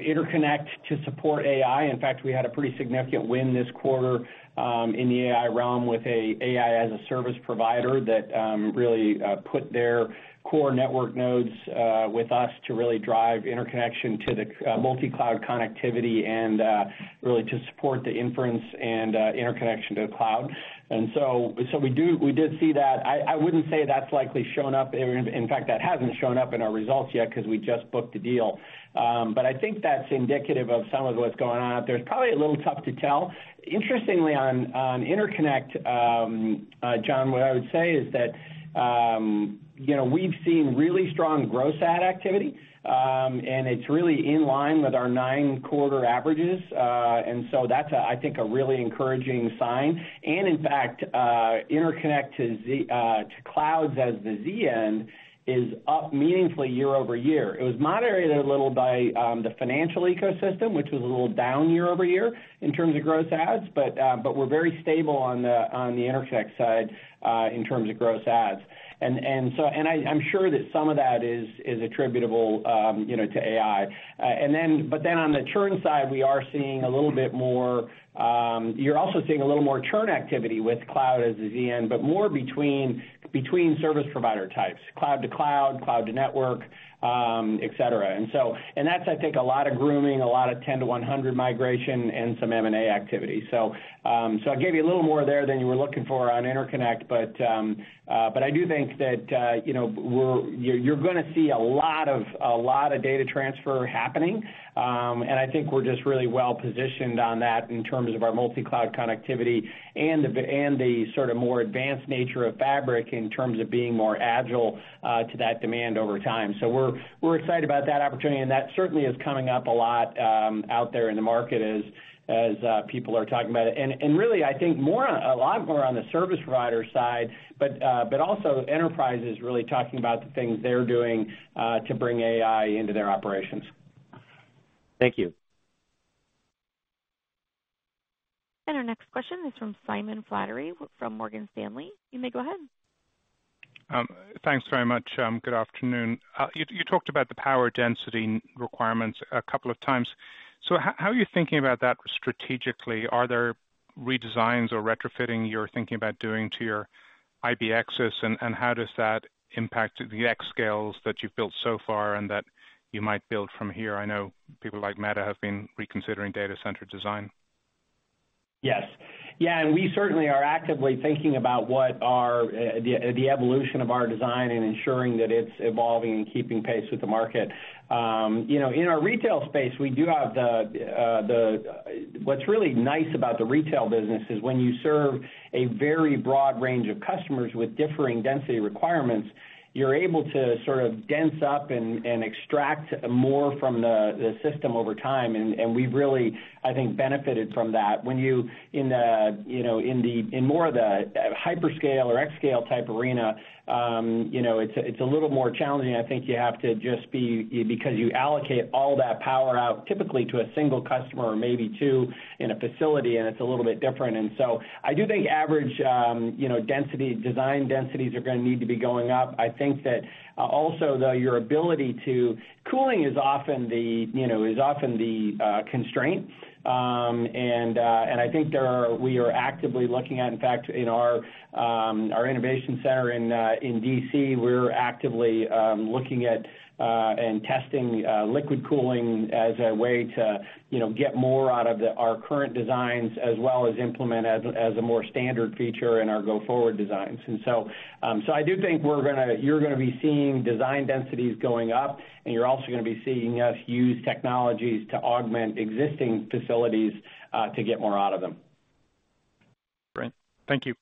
interconnect to support AI. In fact, we had a pretty significant win this quarter in the AI realm with a AI-as-a-service provider that really put their core network nodes with us to really drive interconnection to the multi-cloud connectivity and really to support the inference and interconnection to the cloud. So we do-- we did see that. I, I wouldn't say that's likely shown up. In fact, that hasn't shown up in our results yet 'cause we just booked the deal. But I think that's indicative of some of what's going on out there. It's probably a little tough to tell. Interestingly, on, on interconnect, John, what I would say is that, you know, we've seen really strong gross add activity, it's really in line with our 9-quarter averages. That's, I think, a really encouraging sign. In fact, interconnect to clouds as the ZN is up meaningfully year-over-year. It was moderated a little by the financial ecosystem, which was a little down year-over-year in terms of gross adds, but we're very stable on the, on the interconnect side, in terms of gross adds. I, I'm sure that some of that is, is attributable, you know, to AI. On the churn side, we are seeing a little bit more, you're also seeing a little more churn activity with cloud as the ZN, but more between, between service provider types, cloud to cloud, cloud to network, et cetera. That's, I think, a lot of grooming, a lot of 10 to 100 migration and some M&A activity. So I gave you a little more there than you were looking for on interconnect, but I do think that, you know, we're, you're, you're gonna see a lot of, a lot of data transfer happening. I think we're just really well-positioned on that in terms of our multi-cloud connectivity and the and the sort of more advanced nature of Fabric in terms of being more agile to that demand over time. We're, we're excited about that opportunity, and that certainly is coming up a lot, out there in the market as, as, people are talking about it. Really, I think more, a lot more on the service provider side, but, but also enterprises really talking about the things they're doing, to bring AI into their operations. Thank you. Our next question is from Simon Flannery from Morgan Stanley. You may go ahead. Thanks very much. Good afternoon. You, you talked about the power density requirements a couple of times. How, how are you thinking about that strategically? Are there redesigns or retrofitting you're thinking about doing to your IBXs? How does that impact the xScaleS that you've built so far and that you might build from here? I know people like Meta have been reconsidering data center design. Yes. Yeah, we certainly are actively thinking about what our, the, the evolution of our design and ensuring that it's evolving and keeping pace with the market. You know, in our retail space, we do have the What's really nice about the retail business is when you serve a very broad range of customers with differing density requirements, you're able to sort of dense up and, and extract more from the, the system over time. We've really, I think, benefited from that. When you, in the, you know, in more of the hyperscale or xScale type arena, you know, it's, it's a little more challenging. I think you have to just be, because you allocate all that power out, typically to a single customer or maybe two in a facility, and it's a little bit different. I do think average, you know, density, design densities are gonna need to be going up. I think that also, though, your ability to... Cooling is often the, you know, is often the constraint. I think there are we are actively looking at, in fact, in our innovation center in D.C., we're actively looking at and testing liquid cooling as a way to, you know, get more out of the, our current designs, as well as implement as, as a more standard feature in our go-forward designs. So I do think we're gonna you're gonna be seeing design densities going up, and you're also gonna be seeing us use technologies to augment existing facilities to get more out of them. Great. Thank you.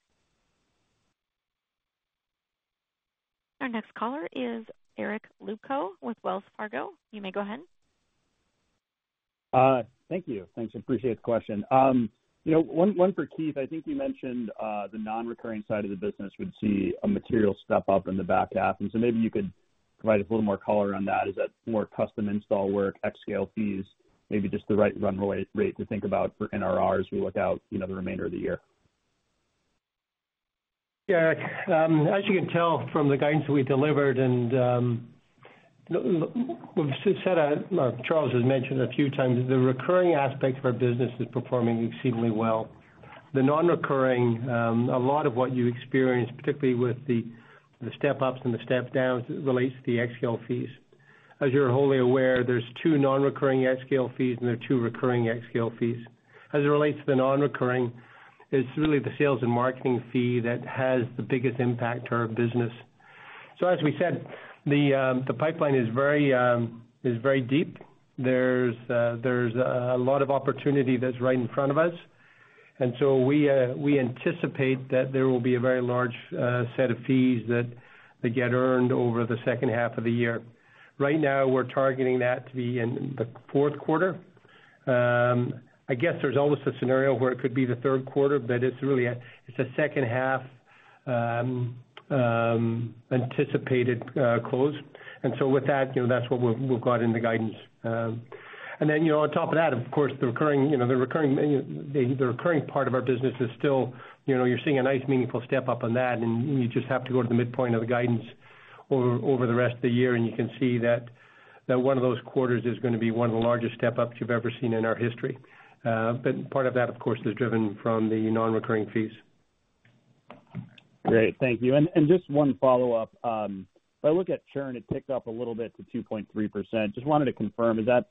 Our next caller is Eric Luebchow with Wells Fargo. You may go ahead. Thank you. Thanks, appreciate the question. You know, one, one for Keith. I think you mentioned the non-recurring side of the business would see a material step up in the back half, and so maybe you could provide a little more color on that. Is that more custom install work, xScale fees, maybe just the right runway rate to think about for NRR as we look out, you know, the remainder of the year? Yeah, Eric, as you can tell from the guidance we delivered, we've said Charles has mentioned a few times, the recurring aspect of our business is performing exceedingly well. The non-recurring, a lot of what you experienced, particularly with the step-ups and the step-downs, relates to the xScale fees. As you're wholly aware, there's two non-recurring xScale fees, and there are two recurring xScale fees. As it relates to the non-recurring, it's really the sales and marketing fee that has the biggest impact to our business. As we said, the pipeline is very deep. There's a lot of opportunity that's right in front of us. We anticipate that there will be a very large set of fees that get earned over the second half of the year. Right now, we're targeting that to be in the fourth quarter. I guess there's always a scenario where it could be the third quarter, but it's really a, it's a second half, anticipated, close. With that, you know, that's what we've, we've got in the guidance. Then, you know, on top of that, of course, the recurring, you know, the recurring, the, the recurring part of our business is still, you know, you're seeing a nice, meaningful step up on that, and you just have to go to the midpoint of the guidance over, over the rest of the year, and you can see that, that one of those quarters is gonna be one of the largest step-ups you've ever seen in our history. Part of that, of course, is driven from the non-recurring fees. Great. Thank you. And, and just one follow-up. If I look at churn, it ticks up a little bit to 2.3%. Just wanted to confirm, is that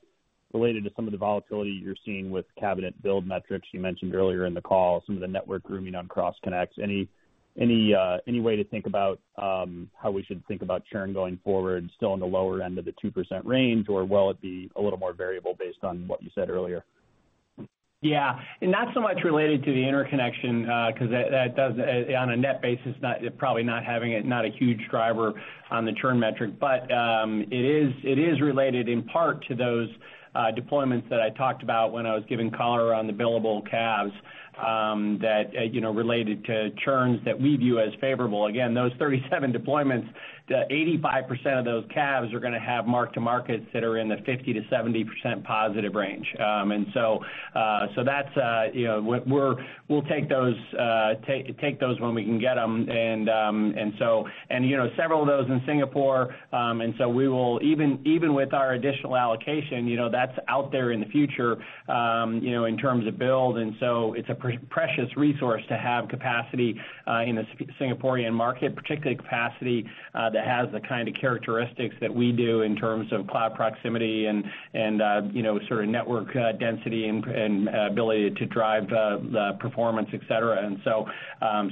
related to some of the volatility you're seeing with cabinet build metrics you mentioned earlier in the call, some of the network grooming on cross connects? Any way to think about, how we should think about churn going forward, still in the lower end of the 2% range, or will it be a little more variable based on what you said earlier? Yeah. Not so much related to the interconnection, because that, that does, on a net basis, not, probably not having a, not a huge driver on the churn metric. It is, it is related in part to those deployments that I talked about when I was giving color on the billable Cabs, that, you know, related to churns that we view as favorable. Again, those 37 deployments, the 85% of those Cavs are gonna have mark-to-markets that are in the 50%-70% positive range. So that's, you know, we're, we're, we'll take those, take, take those when we can get them. So, and, you know, several of those in Singapore, and so we will even, even with our additional allocation, you know, that's out there in the future, you know, in terms of build. So it's a precious resource to have capacity in the Singaporean market, particularly capacity that has the kind of characteristics that we do in terms of cloud proximity and, and, you know, sort of network density and, and ability to drive the, the performance, et cetera. So,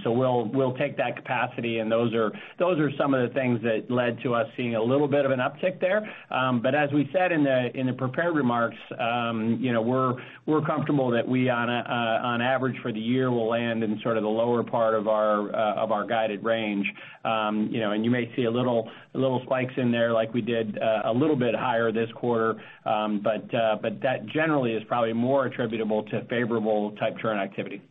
so we'll, we'll take that capacity, and those are, those are some of the things that led to us seeing a little bit of an uptick there. As we said in the, in the prepared remarks, you know, we're, we're comfortable that we on a, on average for the year, will land in sort of the lower part of our, of our guided range. You know, you may see a little, little spikes in there like we did, a little bit higher this quarter. That generally is probably more attributable to favorable type churn activity.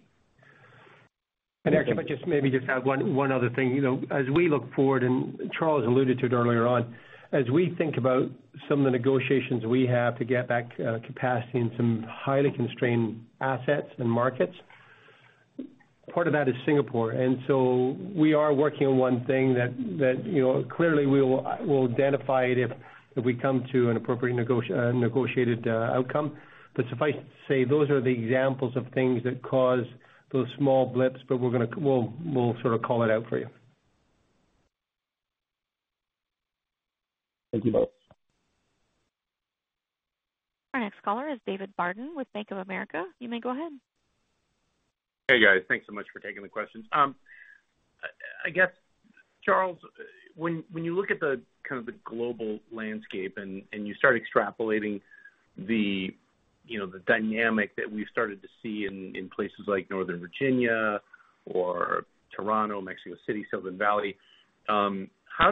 Actually, if I just maybe just add one other thing. You know, as we look forward, and Charles alluded to it earlier on, as we think about some of the negotiations we have to get back capacity in some highly constrained assets and markets, part of that is Singapore. So we are working on one thing that, you know, clearly we'll identify it if we come to an appropriate negotiated outcome. Suffice to say, those are the examples of things that cause those small blips, but we'll sort of call it out for you. Thank you both. Our next caller is David Barden with Bank of America. You may go ahead. Hey, guys. Thanks so much for taking the questions. I, I guess, Charles, when, when you look at the kind of the global landscape and, and you start extrapolating the, you know, the dynamic that we've started to see in, in places like Northern Virginia or Toronto, Mexico City, Silicon Valley, how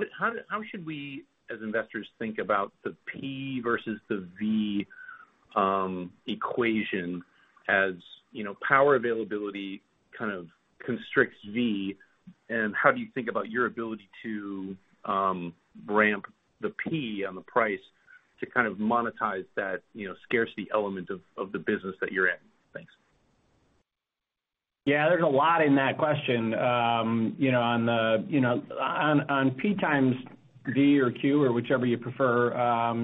should we, as investors, think about the P versus the V, equation, as, you know, power availability kind of constricts V? How do you think about your ability to, ramp the P on the price to kind of monetize that, you know, scarcity element of, of the business that you're in? Thanks. Yeah, there's a lot in that question. You know, on the, you know, on, on P times V or Q, or whichever you prefer,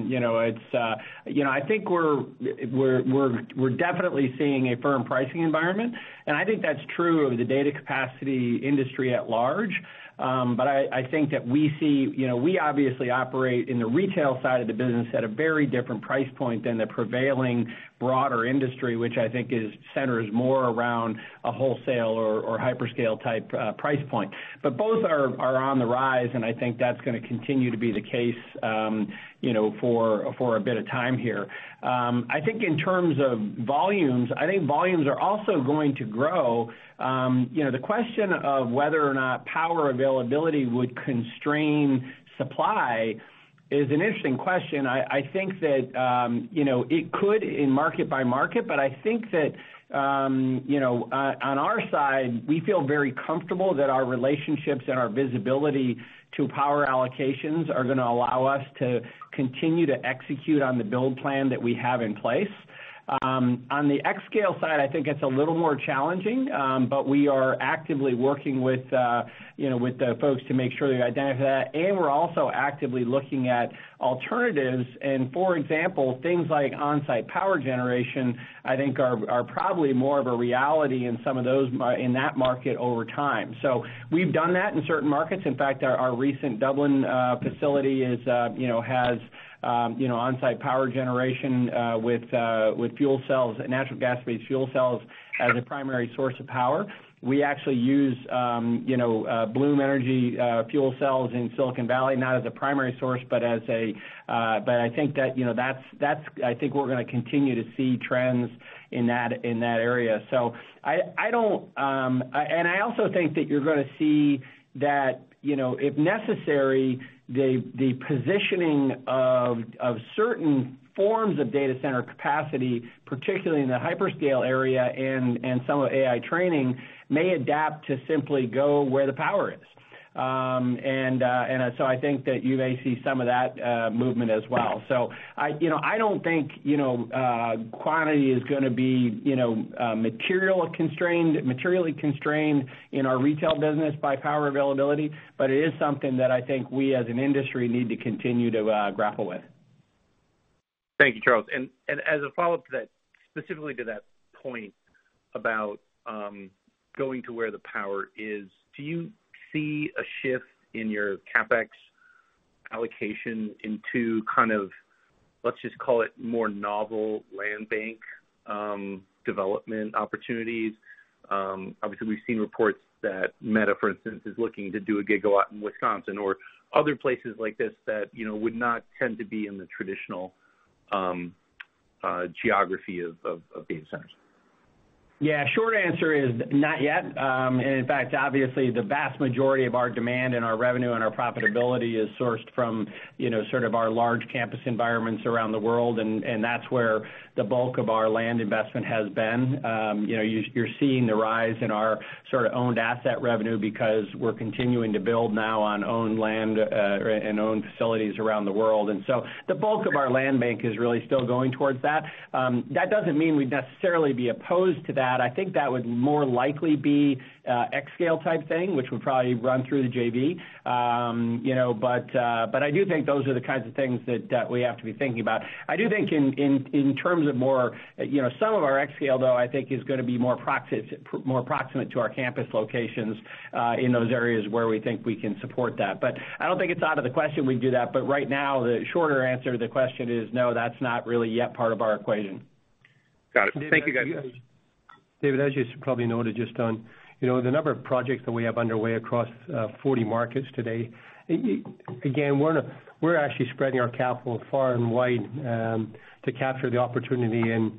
you know, it's, you know, I think we're, we're, we're, we're definitely seeing a firm pricing environment, and I think that's true of the data capacity industry at large. I think that we see... You know, we obviously operate in the retail side of the business at a very different price point than the prevailing broader industry, which I think is, centers more around a wholesale or, or hyperscale type, price point. Both are, are on the rise, and I think that's gonna continue to be the case, you know, for, for a bit of time here. I think in terms of volumes, I think volumes are also going to grow. You know, the question of whether or not power availability would constrain supply is an interesting question. I think that, you know, it could in market by market, but I think that, you know, on our side, we feel very comfortable that our relationships and our visibility to power allocations are gonna allow us to continue to execute on the build plan that we have in place. On the xScale side, I think it's a little more challenging, but we are actively working with, you know, with the folks to make sure we identify that. We're also actively looking at alternatives, and for example, things like on-site power generation, I think are probably more of a reality in some of those in that market over time. We've done that in certain markets. In fact, our, our recent Dublin facility is, you know, has, you know, on-site power generation, with, with fuel cells, natural gas-based fuel cells, as a primary source of power. We actually use, you know, Bloom Energy fuel cells in Silicon Valley, not as a primary source, but as a... I think that, you know, that's, that's, I think we're gonna continue to see trends in that, in that area. I, I don't... I also think that you're gonna see that, you know, if necessary, the, the positioning of, of certain forms of data center capacity, particularly in the hyperscale area and, and some of AI training, may adapt to simply go where the power is. I think that you may see some of that movement as well. I, you know, I don't think, you know, quantity is gonna be, you know, material constrained, materially constrained in our retail business by power availability, but it is something that I think we, as an industry, need to continue to grapple with. Thank you, Charles. As a follow-up to that, specifically to that point about going to where the power is, do you see a shift in your CapEx allocation into kind of, let's just call it, more novel land bank development opportunities? Obviously, we've seen reports that Meta, for instance, is looking to do 1 gigawatt in Wisconsin or other places like this that, you know, would not tend to be in the traditional geography of data centers. Yeah, short answer is, not yet. In fact, obviously, the vast majority of our demand and our revenue and our profitability is sourced from, you know, sort of our large campus environments around the world, and, and that's where the bulk of our land investment has been. You know, you're, you're seeing the rise in our sort of owned asset revenue because we're continuing to build now on owned land and owned facilities around the world. The bulk of our land bank is really still going towards that. That doesn't mean we'd necessarily be opposed to that. I think that would more likely be a xScale-type thing, which would probably run through the JV. You know, I do think those are the kinds of things that we have to be thinking about. I do think in terms of more, you know, some of our xScale, though, I think, is gonna be more proximate, more proximate to our campus locations in those areas where we think we can support that. I don't think it's out of the question we'd do that. Right now, the shorter answer to the question is no, that's not really yet part of our equation. Got it. Thank you, guys. David, as you probably noted just on, you know, the number of projects that we have underway across, 40 markets today, again, we're actually spreading our capital far and wide, to capture the opportunity and,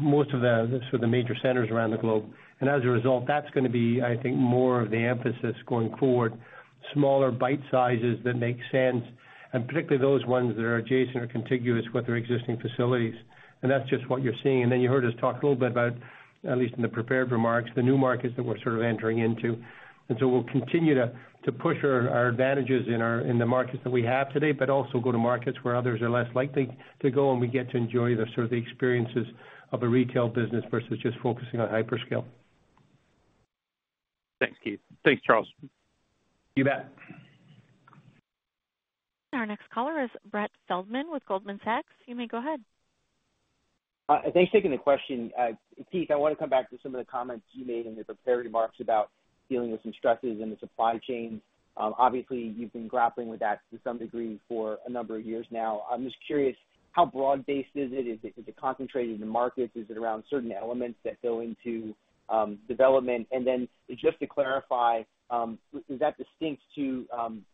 most of the, the sort of major centers around the globe. As a result, that's gonna be, I think, more of the emphasis going forward. Smaller bite sizes that make sense, and particularly those ones that are adjacent or contiguous with their existing facilities. That's just what you're seeing. Then you heard us talk a little bit about, at least in the prepared remarks, the new markets that we're sort of entering into. We'll continue to, to push our, our advantages in our, in the markets that we have today, but also go to markets where others are less likely to go, and we get to enjoy the sort of the experiences of a retail business versus just focusing on hyperscale. Thanks, Keith. Thanks, Charles. You bet. Our next caller is Brett Feldman with Goldman Sachs. You may go ahead. Thanks for taking the question. Keith, I want to come back to some of the comments you made in the prepared remarks about dealing with some stresses in the supply chain. Obviously, you've been grappling with that to some degree for a number of years now. I'm just curious, how broad-based is it? Is it, is it concentrated in the markets? Is it around certain elements that go into development? Then just to clarify, is that distinct to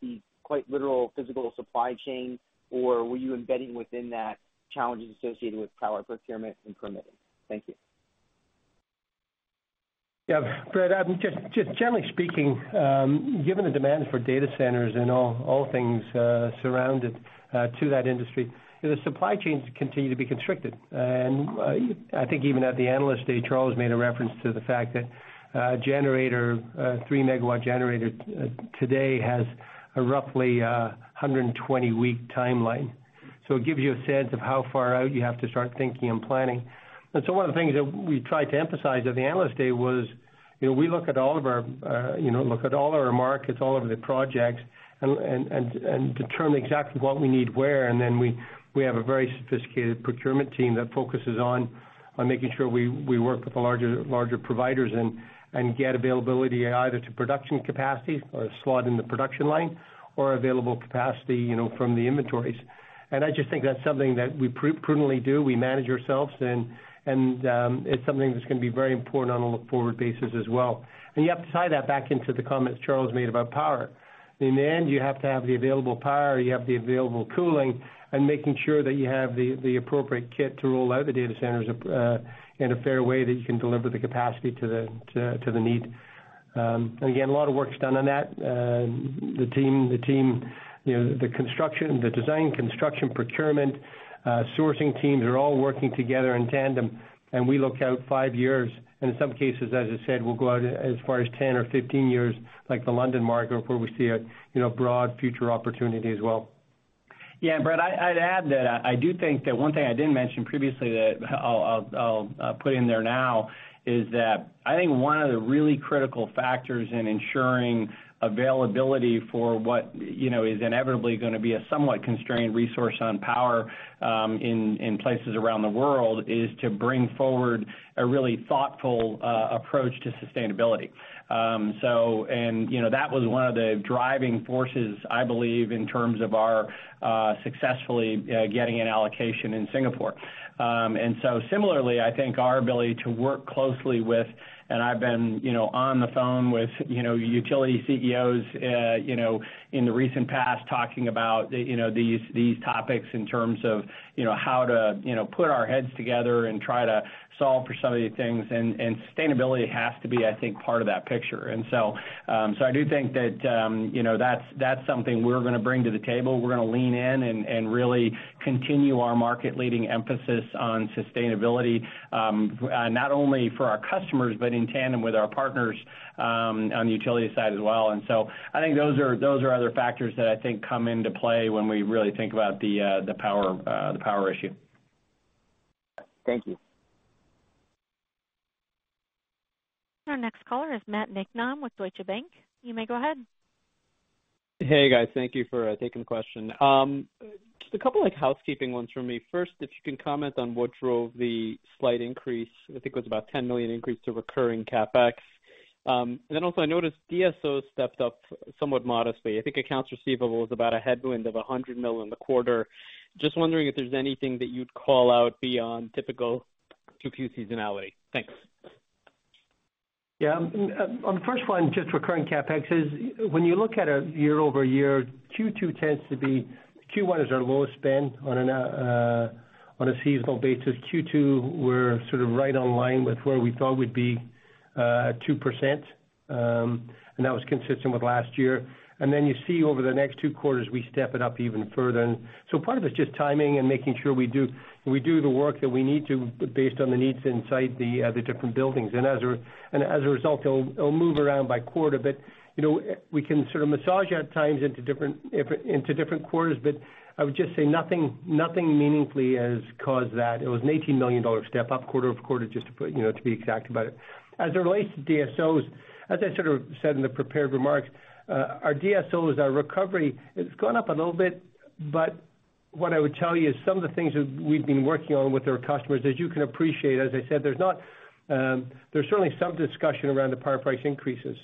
the quite literal physical supply chain, or were you embedding within that challenges associated with power procurement and permitting? Thank you. Yeah, Brett, just, just generally speaking, given the demand for data centers and all, all things, surrounded, to that industry, the supply chains continue to be constricted. I think even at the Analyst Day, Charles made a reference to the fact that generator, 3-megawatt generator, today has a roughly, 120 week timeline. It gives you a sense of how far out you have to start thinking and planning. One of the things that we tried to emphasize at the Analyst Day was, you know, we look at all of our, you know, look at all our markets, all of the projects, and, and, and, and determine exactly what we need where, and then we, we have a very sophisticated procurement team that focuses on, on making sure we, we work with the larger, larger providers and, and get availability either to production capacity or slot in the production line or available capacity, you know, from the inventories. I just think that's something that we prudently do. We manage ourselves and, and, it's something that's going to be very important on a look-forward basis as well. You have to tie that back into the comments Charles made about power. In the end, you have to have the available power, you have the available cooling, making sure that you have the, the appropriate kit to roll out the data centers, in a fair way that you can deliver the capacity to the, to, to the need. Again, a lot of work is done on that. The team, the team, you know, the construction, the design, construction, procurement, sourcing teams are all working together in tandem, we look out 5 years. In some cases, as I said, we'll go out as far as 10 or 15 years, like the London market, where we see a, you know, broad future opportunity as well. Yeah, and Brett, I, I'd add that, I do think that one thing I didn't mention previously that I'll, I'll, I'll, I'll put in there now is that I think one of the really critical factors in ensuring availability for what, you know, is inevitably gonna be a somewhat constrained resource on power, in, in places around the world, is to bring forward a really thoughtful, approach to sustainability. You know, that was one of the driving forces, I believe, in terms of our, successfully, getting an allocation in Singapore. So similarly, I think our ability to work closely with, and I've been, you know, on the phone with, you know, utility CEOs, you know, in the recent past, talking about, you know, these, these topics in terms of, you know, how to, you know, put our heads together and try to solve for some of these things, and sustainability has to be, I think, part of that picture. So, so I do think that, you know, that's, that's something we're gonna bring to the table. We're gonna lean in and, and really continue our market leading emphasis on sustainability, not only for our customers, but in tandem with our partners, on the utility side as well. So I think those are, those are other factors that I think come into play when we really think about the, the power, the power issue. Thank you. Our next caller is Matt Niknam with Deutsche Bank. You may go ahead. Hey, guys. Thank you for taking the question. Just a couple, like, housekeeping ones for me. First, if you can comment on what drove the slight increase, I think it was about $10 million increase to recurring CapEx. Also I noticed DSOs stepped up somewhat modestly. I think accounts receivable is about a headwind of $100 million in the quarter. Just wondering if there's anything that you'd call out beyond typical Q2 seasonality. Thanks. Yeah. On the first one, just recurring CapEx is when you look at a year-over-year, Q2 tends to be... Q1 is our lowest spend on a seasonal basis. Q2, we're sort of right on line with where we thought we'd be at 2%, that was consistent with last year. Then you see over the next 2 quarters, we step it up even further. Part of it is just timing and making sure we do, we do the work that we need to, based on the needs inside the different buildings. As a result, it'll, it'll move around by quarter. You know, we can sort of massage at times into different, into different quarters, but I would just say nothing, nothing meaningfully has caused that. It was an $18 million step up quarter-over-quarter, just to put, you know, to be exact about it. As it relates to DSOs, as I sort of said in the prepared remarks, our DSOs, our recovery, it's gone up a little bit, but what I would tell you is some of the things that we've been working on with our customers, as you can appreciate, as I said, there's not. There's certainly some discussion around the power price increases.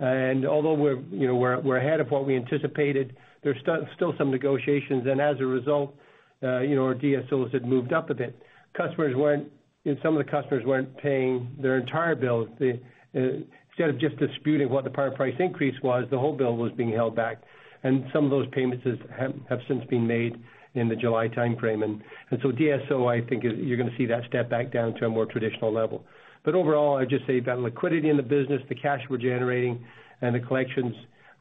Although we're, you know, we're, we're ahead of what we anticipated, there's still, still some negotiations, and as a result, you know, our DSOs had moved up a bit. Customers weren't, and some of the customers weren't paying their entire bills. The instead of just disputing what the power price increase was, the whole bill was being held back, and some of those payments have since been made in the July timeframe. So DSO, I think you're gonna see that step back down to a more traditional level. Overall, I'd just say that liquidity in the business, the cash we're generating and the collections,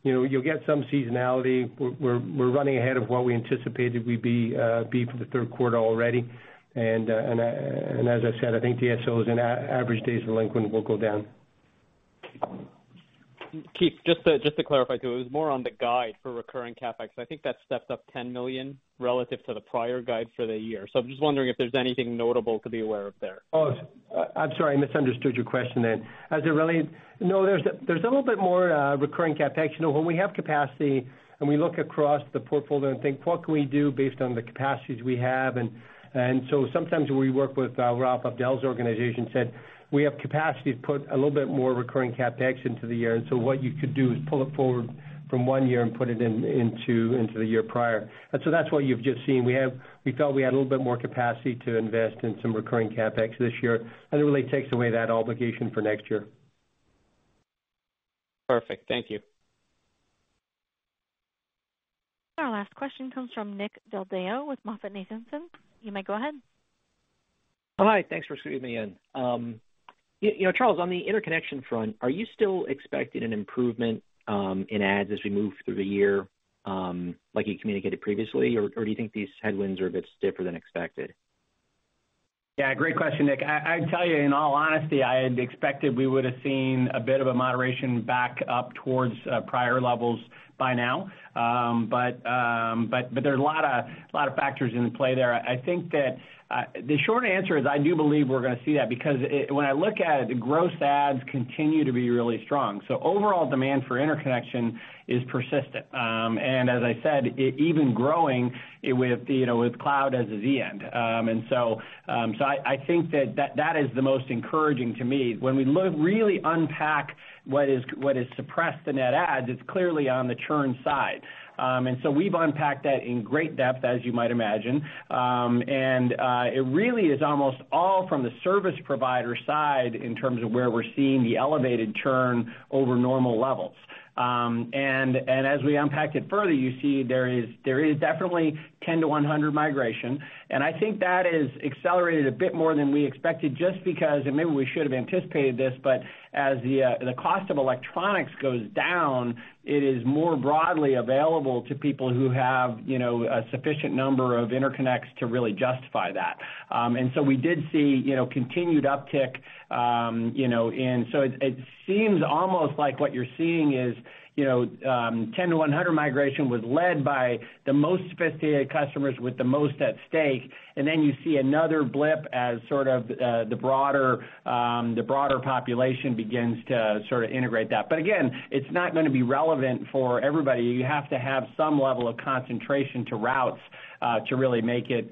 you know, you'll get some seasonality. We're running ahead of what we anticipated we'd be for the third quarter already. As I said, I think DSO is an average days delinquent will go down.... Keith, just to clarify, too, it was more on the guide for recurring CapEx. I think that stepped up $10 million relative to the prior guide for the year. I'm just wondering if there's anything notable to be aware of there. I'm sorry, I misunderstood your question then. As it related. No, there's a little bit more recurring CapEx. You know, when we have capacity and we look across the portfolio and think, what can we do based on the capacities we have? Sometimes we work with Raouf Abdel's organization, said, we have capacity to put a little bit more recurring CapEx into the year. What you could do is pull it forward from one year and put it in, into, into the year prior. That's what you've just seen. We have. We felt we had a little bit more capacity to invest in some recurring CapEx this year, and it really takes away that obligation for next year. Perfect. Thank you. Our last question comes from Nick Del Deo with MoffettNathanson. You may go ahead. Hi, thanks for squeezing me in. you know, Charles, on the interconnection front, are you still expecting an improvement, in ads as we move through the year, like you communicated previously? Or do you think these headwinds are a bit stiffer than expected? Yeah, great question, Nick. I, I'd tell you, in all honesty, I'd expected we would have seen a bit of a moderation back up towards prior levels by now. But there's a lot of, lot of factors in play there. I think that the short answer is, I do believe we're going to see that, when I look at it, the gross ads continue to be really strong. Overall demand for interconnection is persistent. And as I said, it even growing with, you know, with cloud as the end. And so I, I think that, that is the most encouraging to me. When we look, really unpack what is, what is suppressed the net ads, it's clearly on the churn side. And so we've unpacked that in great depth, as you might imagine. It really is almost all from the service provider side in terms of where we're seeing the elevated churn over normal levels. As we unpack it further, you see there is, there is definitely 10 to 100 migration, and I think that is accelerated a bit more than we expected, just because, and maybe we should have anticipated this, but as the cost of electronics goes down, it is more broadly available to people who have, you know, a sufficient number of interconnects to really justify that. We did see, you know, continued uptick, you know, it, it seems almost like what you're seeing is, you know, 10 to 100 migration was led by the most sophisticated customers with the most at stake. You see another blip as sort of, the broader, the broader population begins to sort of integrate that. Again, it's not going to be relevant for everybody. You have to have some level of concentration to routes, to really make it,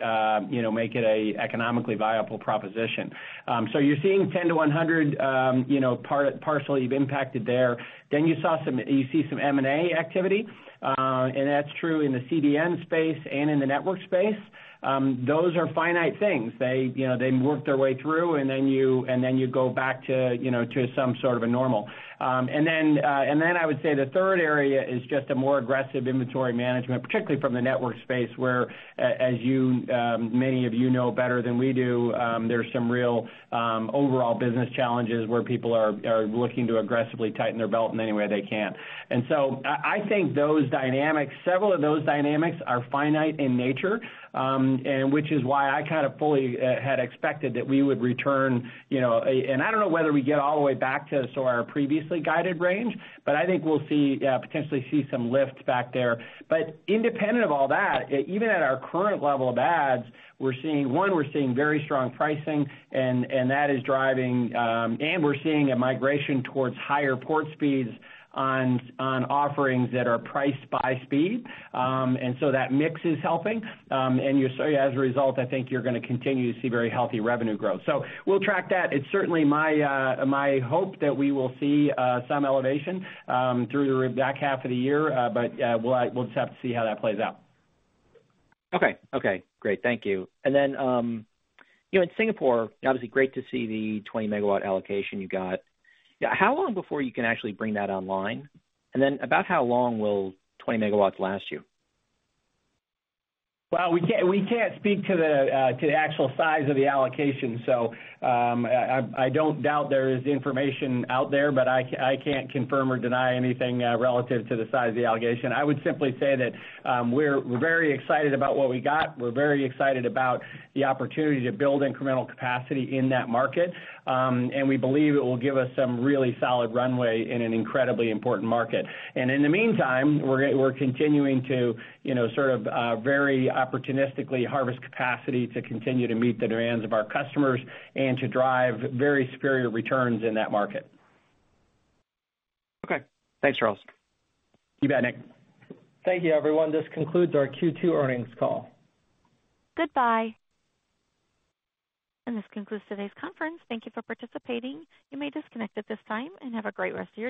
you know, make it a economically viable proposition. So you're seeing 10 to 100, you know, partially impacted there. You see some M&A activity, and that's true in the CDN space and in the network space. Those are finite things. They, you know, they work their way through, and then you, and then you go back to, you know, to some sort of a normal. And then I would say the third area is just a more aggressive inventory management, particularly from the network space, where, as you, many of you know better than we do, there's some real, overall business challenges where people are, are looking to aggressively tighten their belt in any way they can. So I think those dynamics, several of those dynamics are finite in nature, and which is why I kind of fully had expected that we would return, you know. I don't know whether we get all the way back to sort of our previously guided range, but I think we'll see, potentially see some lift back there. Independent of all that, even at our current level of ads, we're seeing, one, we're seeing very strong pricing, and, and that is driving, and we're seeing a migration towards higher port speeds on, on offerings that are priced by speed. And so that mix is helping. And you saw as a result, I think you're going to continue to see very healthy revenue growth. We'll track that. It's certainly my hope that we will see some elevation through the back half of the year, but we'll just have to see how that plays out. Okay. Okay, great. Thank you. You know, in Singapore, obviously, great to see the 20-megawatt allocation you got. How long before you can actually bring that online? About how long will 20 megawatts last you? Well, we can't, we can't speak to the to the actual size of the allocation, so I, I, I don't doubt there is information out there, but I can't confirm or deny anything relative to the size of the allocation. I would simply say that we're very excited about what we got. We're very excited about the opportunity to build incremental capacity in that market. We believe it will give us some really solid runway in an incredibly important market. In the meantime, we're, we're continuing to, you know, sort of, very opportunistically harvest capacity to continue to meet the demands of our customers and to drive very superior returns in that market. Okay. Thanks, Charles. You bet, Nick. Thank you, everyone. This concludes our Q2 earnings call. Goodbye. This concludes today's conference. Thank you for participating. You may disconnect at this time and have a great rest of your day.